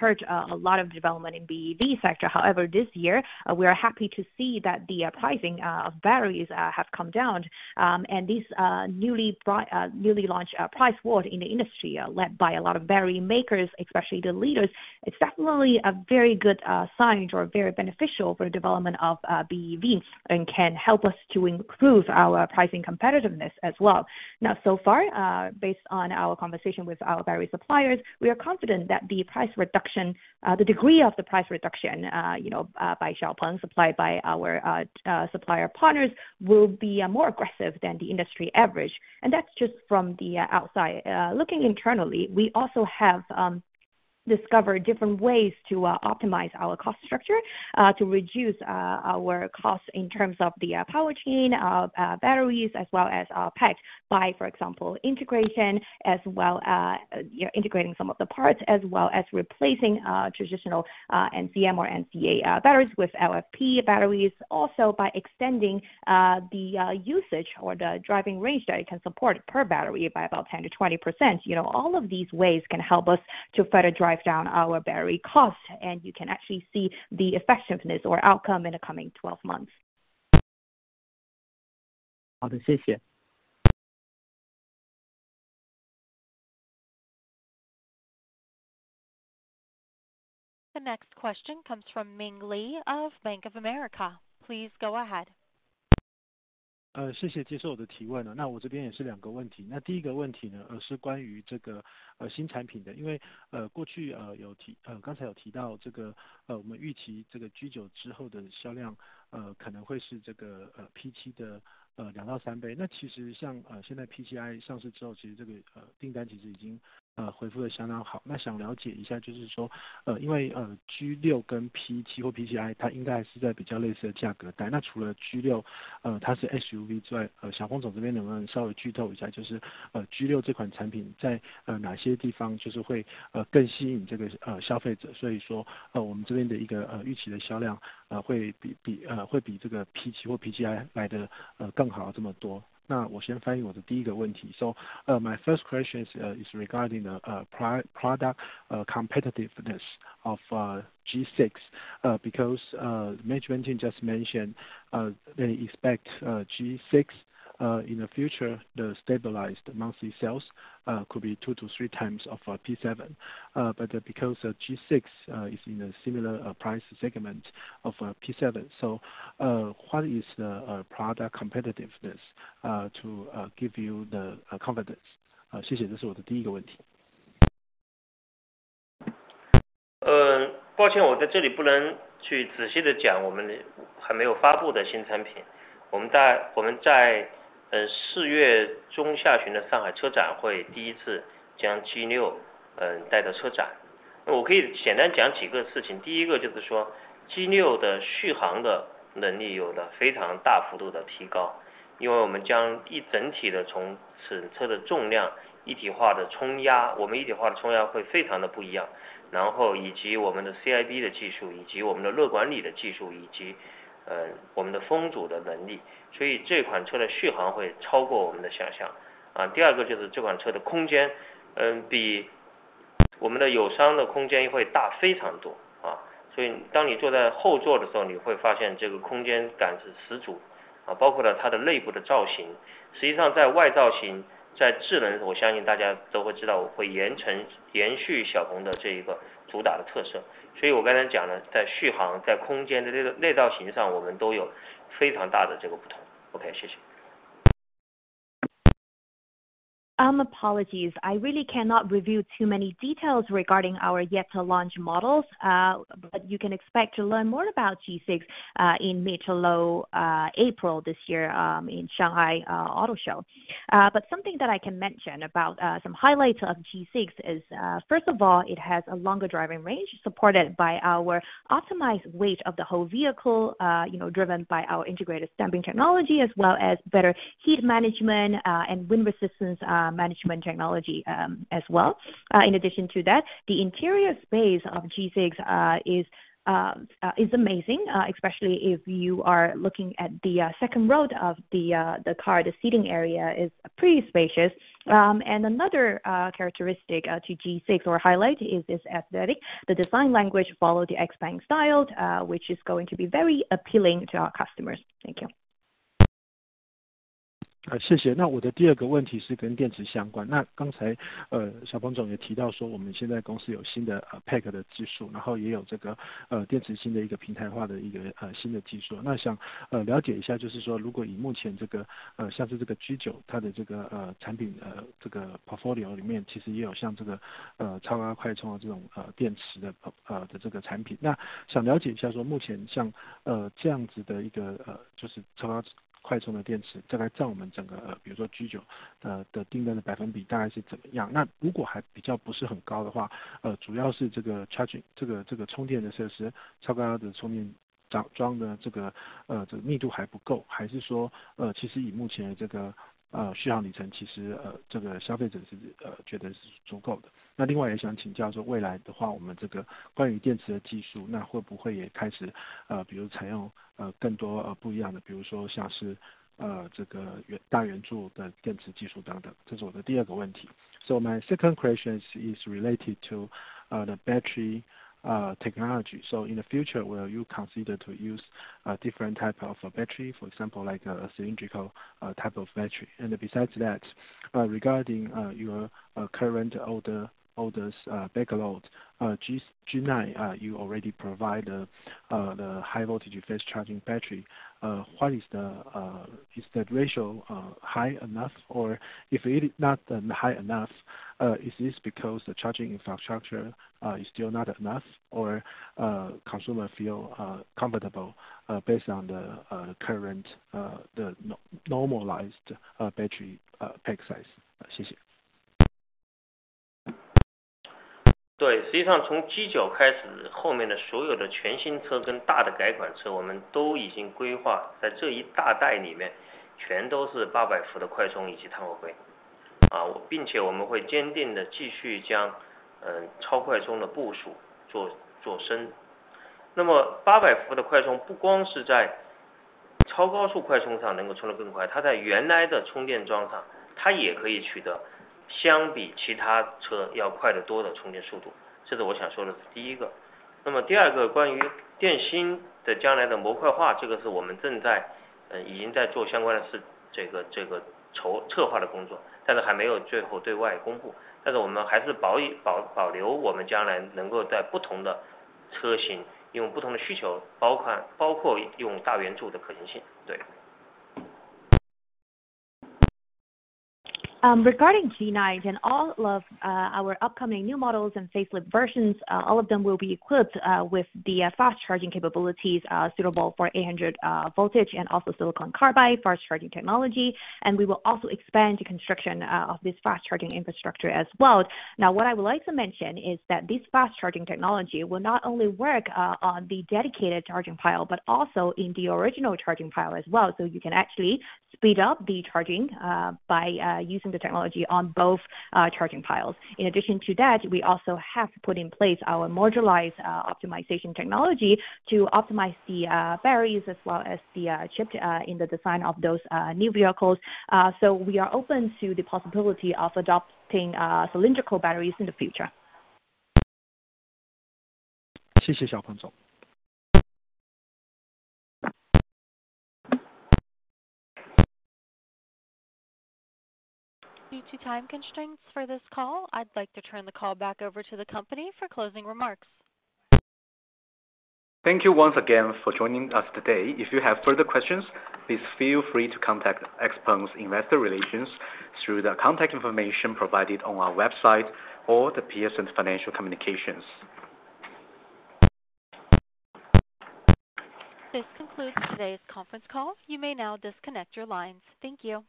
hurt a lot of development in the BEV sector. This year we are happy to see that the pricing of batteries have come down, and these newly launched price war in the industry, led by a lot of battery makers, especially the leaders. It's definitely a very good sign or very beneficial for the development of BEVs, and can help us to improve our pricing competitiveness as well. Now, so far, based on our conversation with our battery suppliers, we are confident that the price reduction, the degree of the price reduction, you know, by XPeng supplied by our supplier partners will be more aggressive than the industry average. That's just from the outside. Looking internally, we also have discovered different ways to optimize our cost structure, to reduce our costs in terms of the power chain, batteries as well as packs by, for example, integration as well. You know, integrating some of the parts as well as replacing traditional NCM or NCA batteries with LFP batteries. Also by extending the usage or the driving range that it can support per battery by about 10%-20%. You know, all of these ways can help us to further drive down our battery costs, and you can actually see the effectiveness or outcome in the coming 12 months. 好 的, 谢 谢. The next question comes from Ming-Hsun Lee of Bank of America. Please go ahead. 谢谢接受我的提问。我这边也是2个问题。第1个问题 呢， 是关于这个新产品 的， 因为过去有提刚才有提到这个我们预期这个 G9 之后的销量可能会是这个 P7 的2到3 倍。其实像现在 P7i 上市之 后， 其实这个订单其实已经回复得相当好。想了解一 下， 就是 说， 因为 G6 跟 P7 或 P7i， 它应该还是在比较类似的价格带。除了 G6， 它是 SUV 之 外， 小鹏总这边能不能稍微剧透一 下， 就是 G6 这款产品在哪些地方就是会更吸引这个消费 者， 所以说我们这边的一个预期的销量会比这个 P7 或 P7i 来的更好这么多。我先翻译我的第1个问题。My first question is regarding the product competitiveness of G6, because management just mentioned they expect G6 in the future, the stabilized monthly sales could be two-three times of P7. Because G6 is in a similar price segment of P7, what is the product competitiveness to give you the confidence? 谢 谢， 这是我的第一个问题。抱 歉， 我在这里不能去仔细地讲我们还没有发布的新产品。我们大 概， 我们在四月中下旬的上海车展会第一次将 G6 带到车展。我可以简单讲几个事 情， 第一个就是说 G6 的续航的能力有了非常大幅度的提 高， 因为我们将一整体的从整车的重量、一体化的冲 压， 我们一体化的冲压会非常的不一 样， 然后以及我们的 CIB 的技 术， 以及我们的热管理的技 术， 以及我们的封组的能 力， 所以这款车的续航会超过我们的想象。第二个就是这款车的空间比我们的友商的空间会大非常 多， 所以当你坐在后座的时 候， 你会发现这个空间感是十 足， 包括了它的内部的造型。实际上在外造型在智 能， 我相信大家都会知 道， 会沿承延续小鹏的这一个主打的特色。所以我刚才讲的在续 航， 在空间的内造型 上， 我们都有非常大的这个不同。OK， 谢谢。Apologies. I really cannot reveal too many details regarding our yet to launch models, but you can expect to learn more about G6 in mid to low April this year in Shanghai Auto Show. But something that I can mention about some highlights of G6 is first of all, it has a longer driving range supported by our optimized weight of the whole vehicle, you know, driven by our integrated stamping technology as well as better heat management and wind resistance management technology as well. In addition to that, the interior space of G6 is amazing, especially if you are looking at the second row of the car. The seating area is pretty spacious. And another characteristic to G6 or highlight is its aesthetic. The design language follow the XPeng style, which is going to be very appealing to our customers. Thank you. 谢谢。我的第二个问题是跟电池相关。刚才小鹏总也提到说我们现在公司有新的 pack 的技 术， 然后也有这个电池新的一个平台化的一个新的技术。想了解一 下， 就是说如果以目前这个像是这个 G9， 它的这个产品这个 portfolio 里 面， 其实也有像这个超高快充的这种电池的这个产品。想了解一 下， 说目前像这样子的一个就是超高快充的电 池， 在来占我们整 个， 比如说 G9 的订单的百分比大概是怎么 样？ 如果还比较不是很高的 话， 主要是这个 charging， 这个充电的设 施， 超高充电 桩， 桩的这个密度还不 够， 还是说其实以目前的这个续航里 程， 其实这个消费者是觉得是足够的。另外也想请教说未来的 话， 我们这个关于电池的技 对， 实际上从 G9 开 始， 后面的所有的全新车跟大的改款 车， 我们都已经规划在这一大代里 面， 全都是八百伏的快充以及碳化硅。啊， 并且我们会坚定地继续 将， 呃， 超快充的部署 做， 做深。那么八百伏的快充不光是在超高速快充上能够充得更 快， 它在原来的充电桩 上， 它也可以取得相比其他车要快得多的充电速度。这是我想说的第一个。那么第二个关于电芯的将来的模块 化， 这个是我们正 在， 呃， 已经在做相关 的， 是这 个， 这个 筹， 策划的工作，但是还没有最后对外公 布， 但是我们还是 保， 保， 保留我们将来能够在不同的车 型， 因为不同的需 求， 包 括， 包括用大圆柱的可能性，对。Regarding G9 and all of our upcoming new models and facelift versions, all of them will be equipped with the fast charging capabilities suitable for 800V and also silicon carbide fast charging technology. We will also expand the construction of this fast charging infrastructure as well. What I would like to mention is that this fast charging technology will not only work on the dedicated charging pile, but also in the original charging pile as well. You can actually speed up the charging by using the technology on both charging piles. In addition to that, we also have put in place our modularized optimization technology to optimize the batteries as well as the chip in the design of those new vehicles. We are open to the possibility of adopting cylindrical batteries in the future. 谢谢小鹏 总. Due to time constraints for this call, I'd like to turn the call back over to the company for closing remarks. Thank you once again for joining us today. If you have further questions, please feel free to contact XPeng's Investor Relations through the contact information provided on our website or the Piacente Financial Communications. This concludes today's conference call. You may now disconnect your lines. Thank you.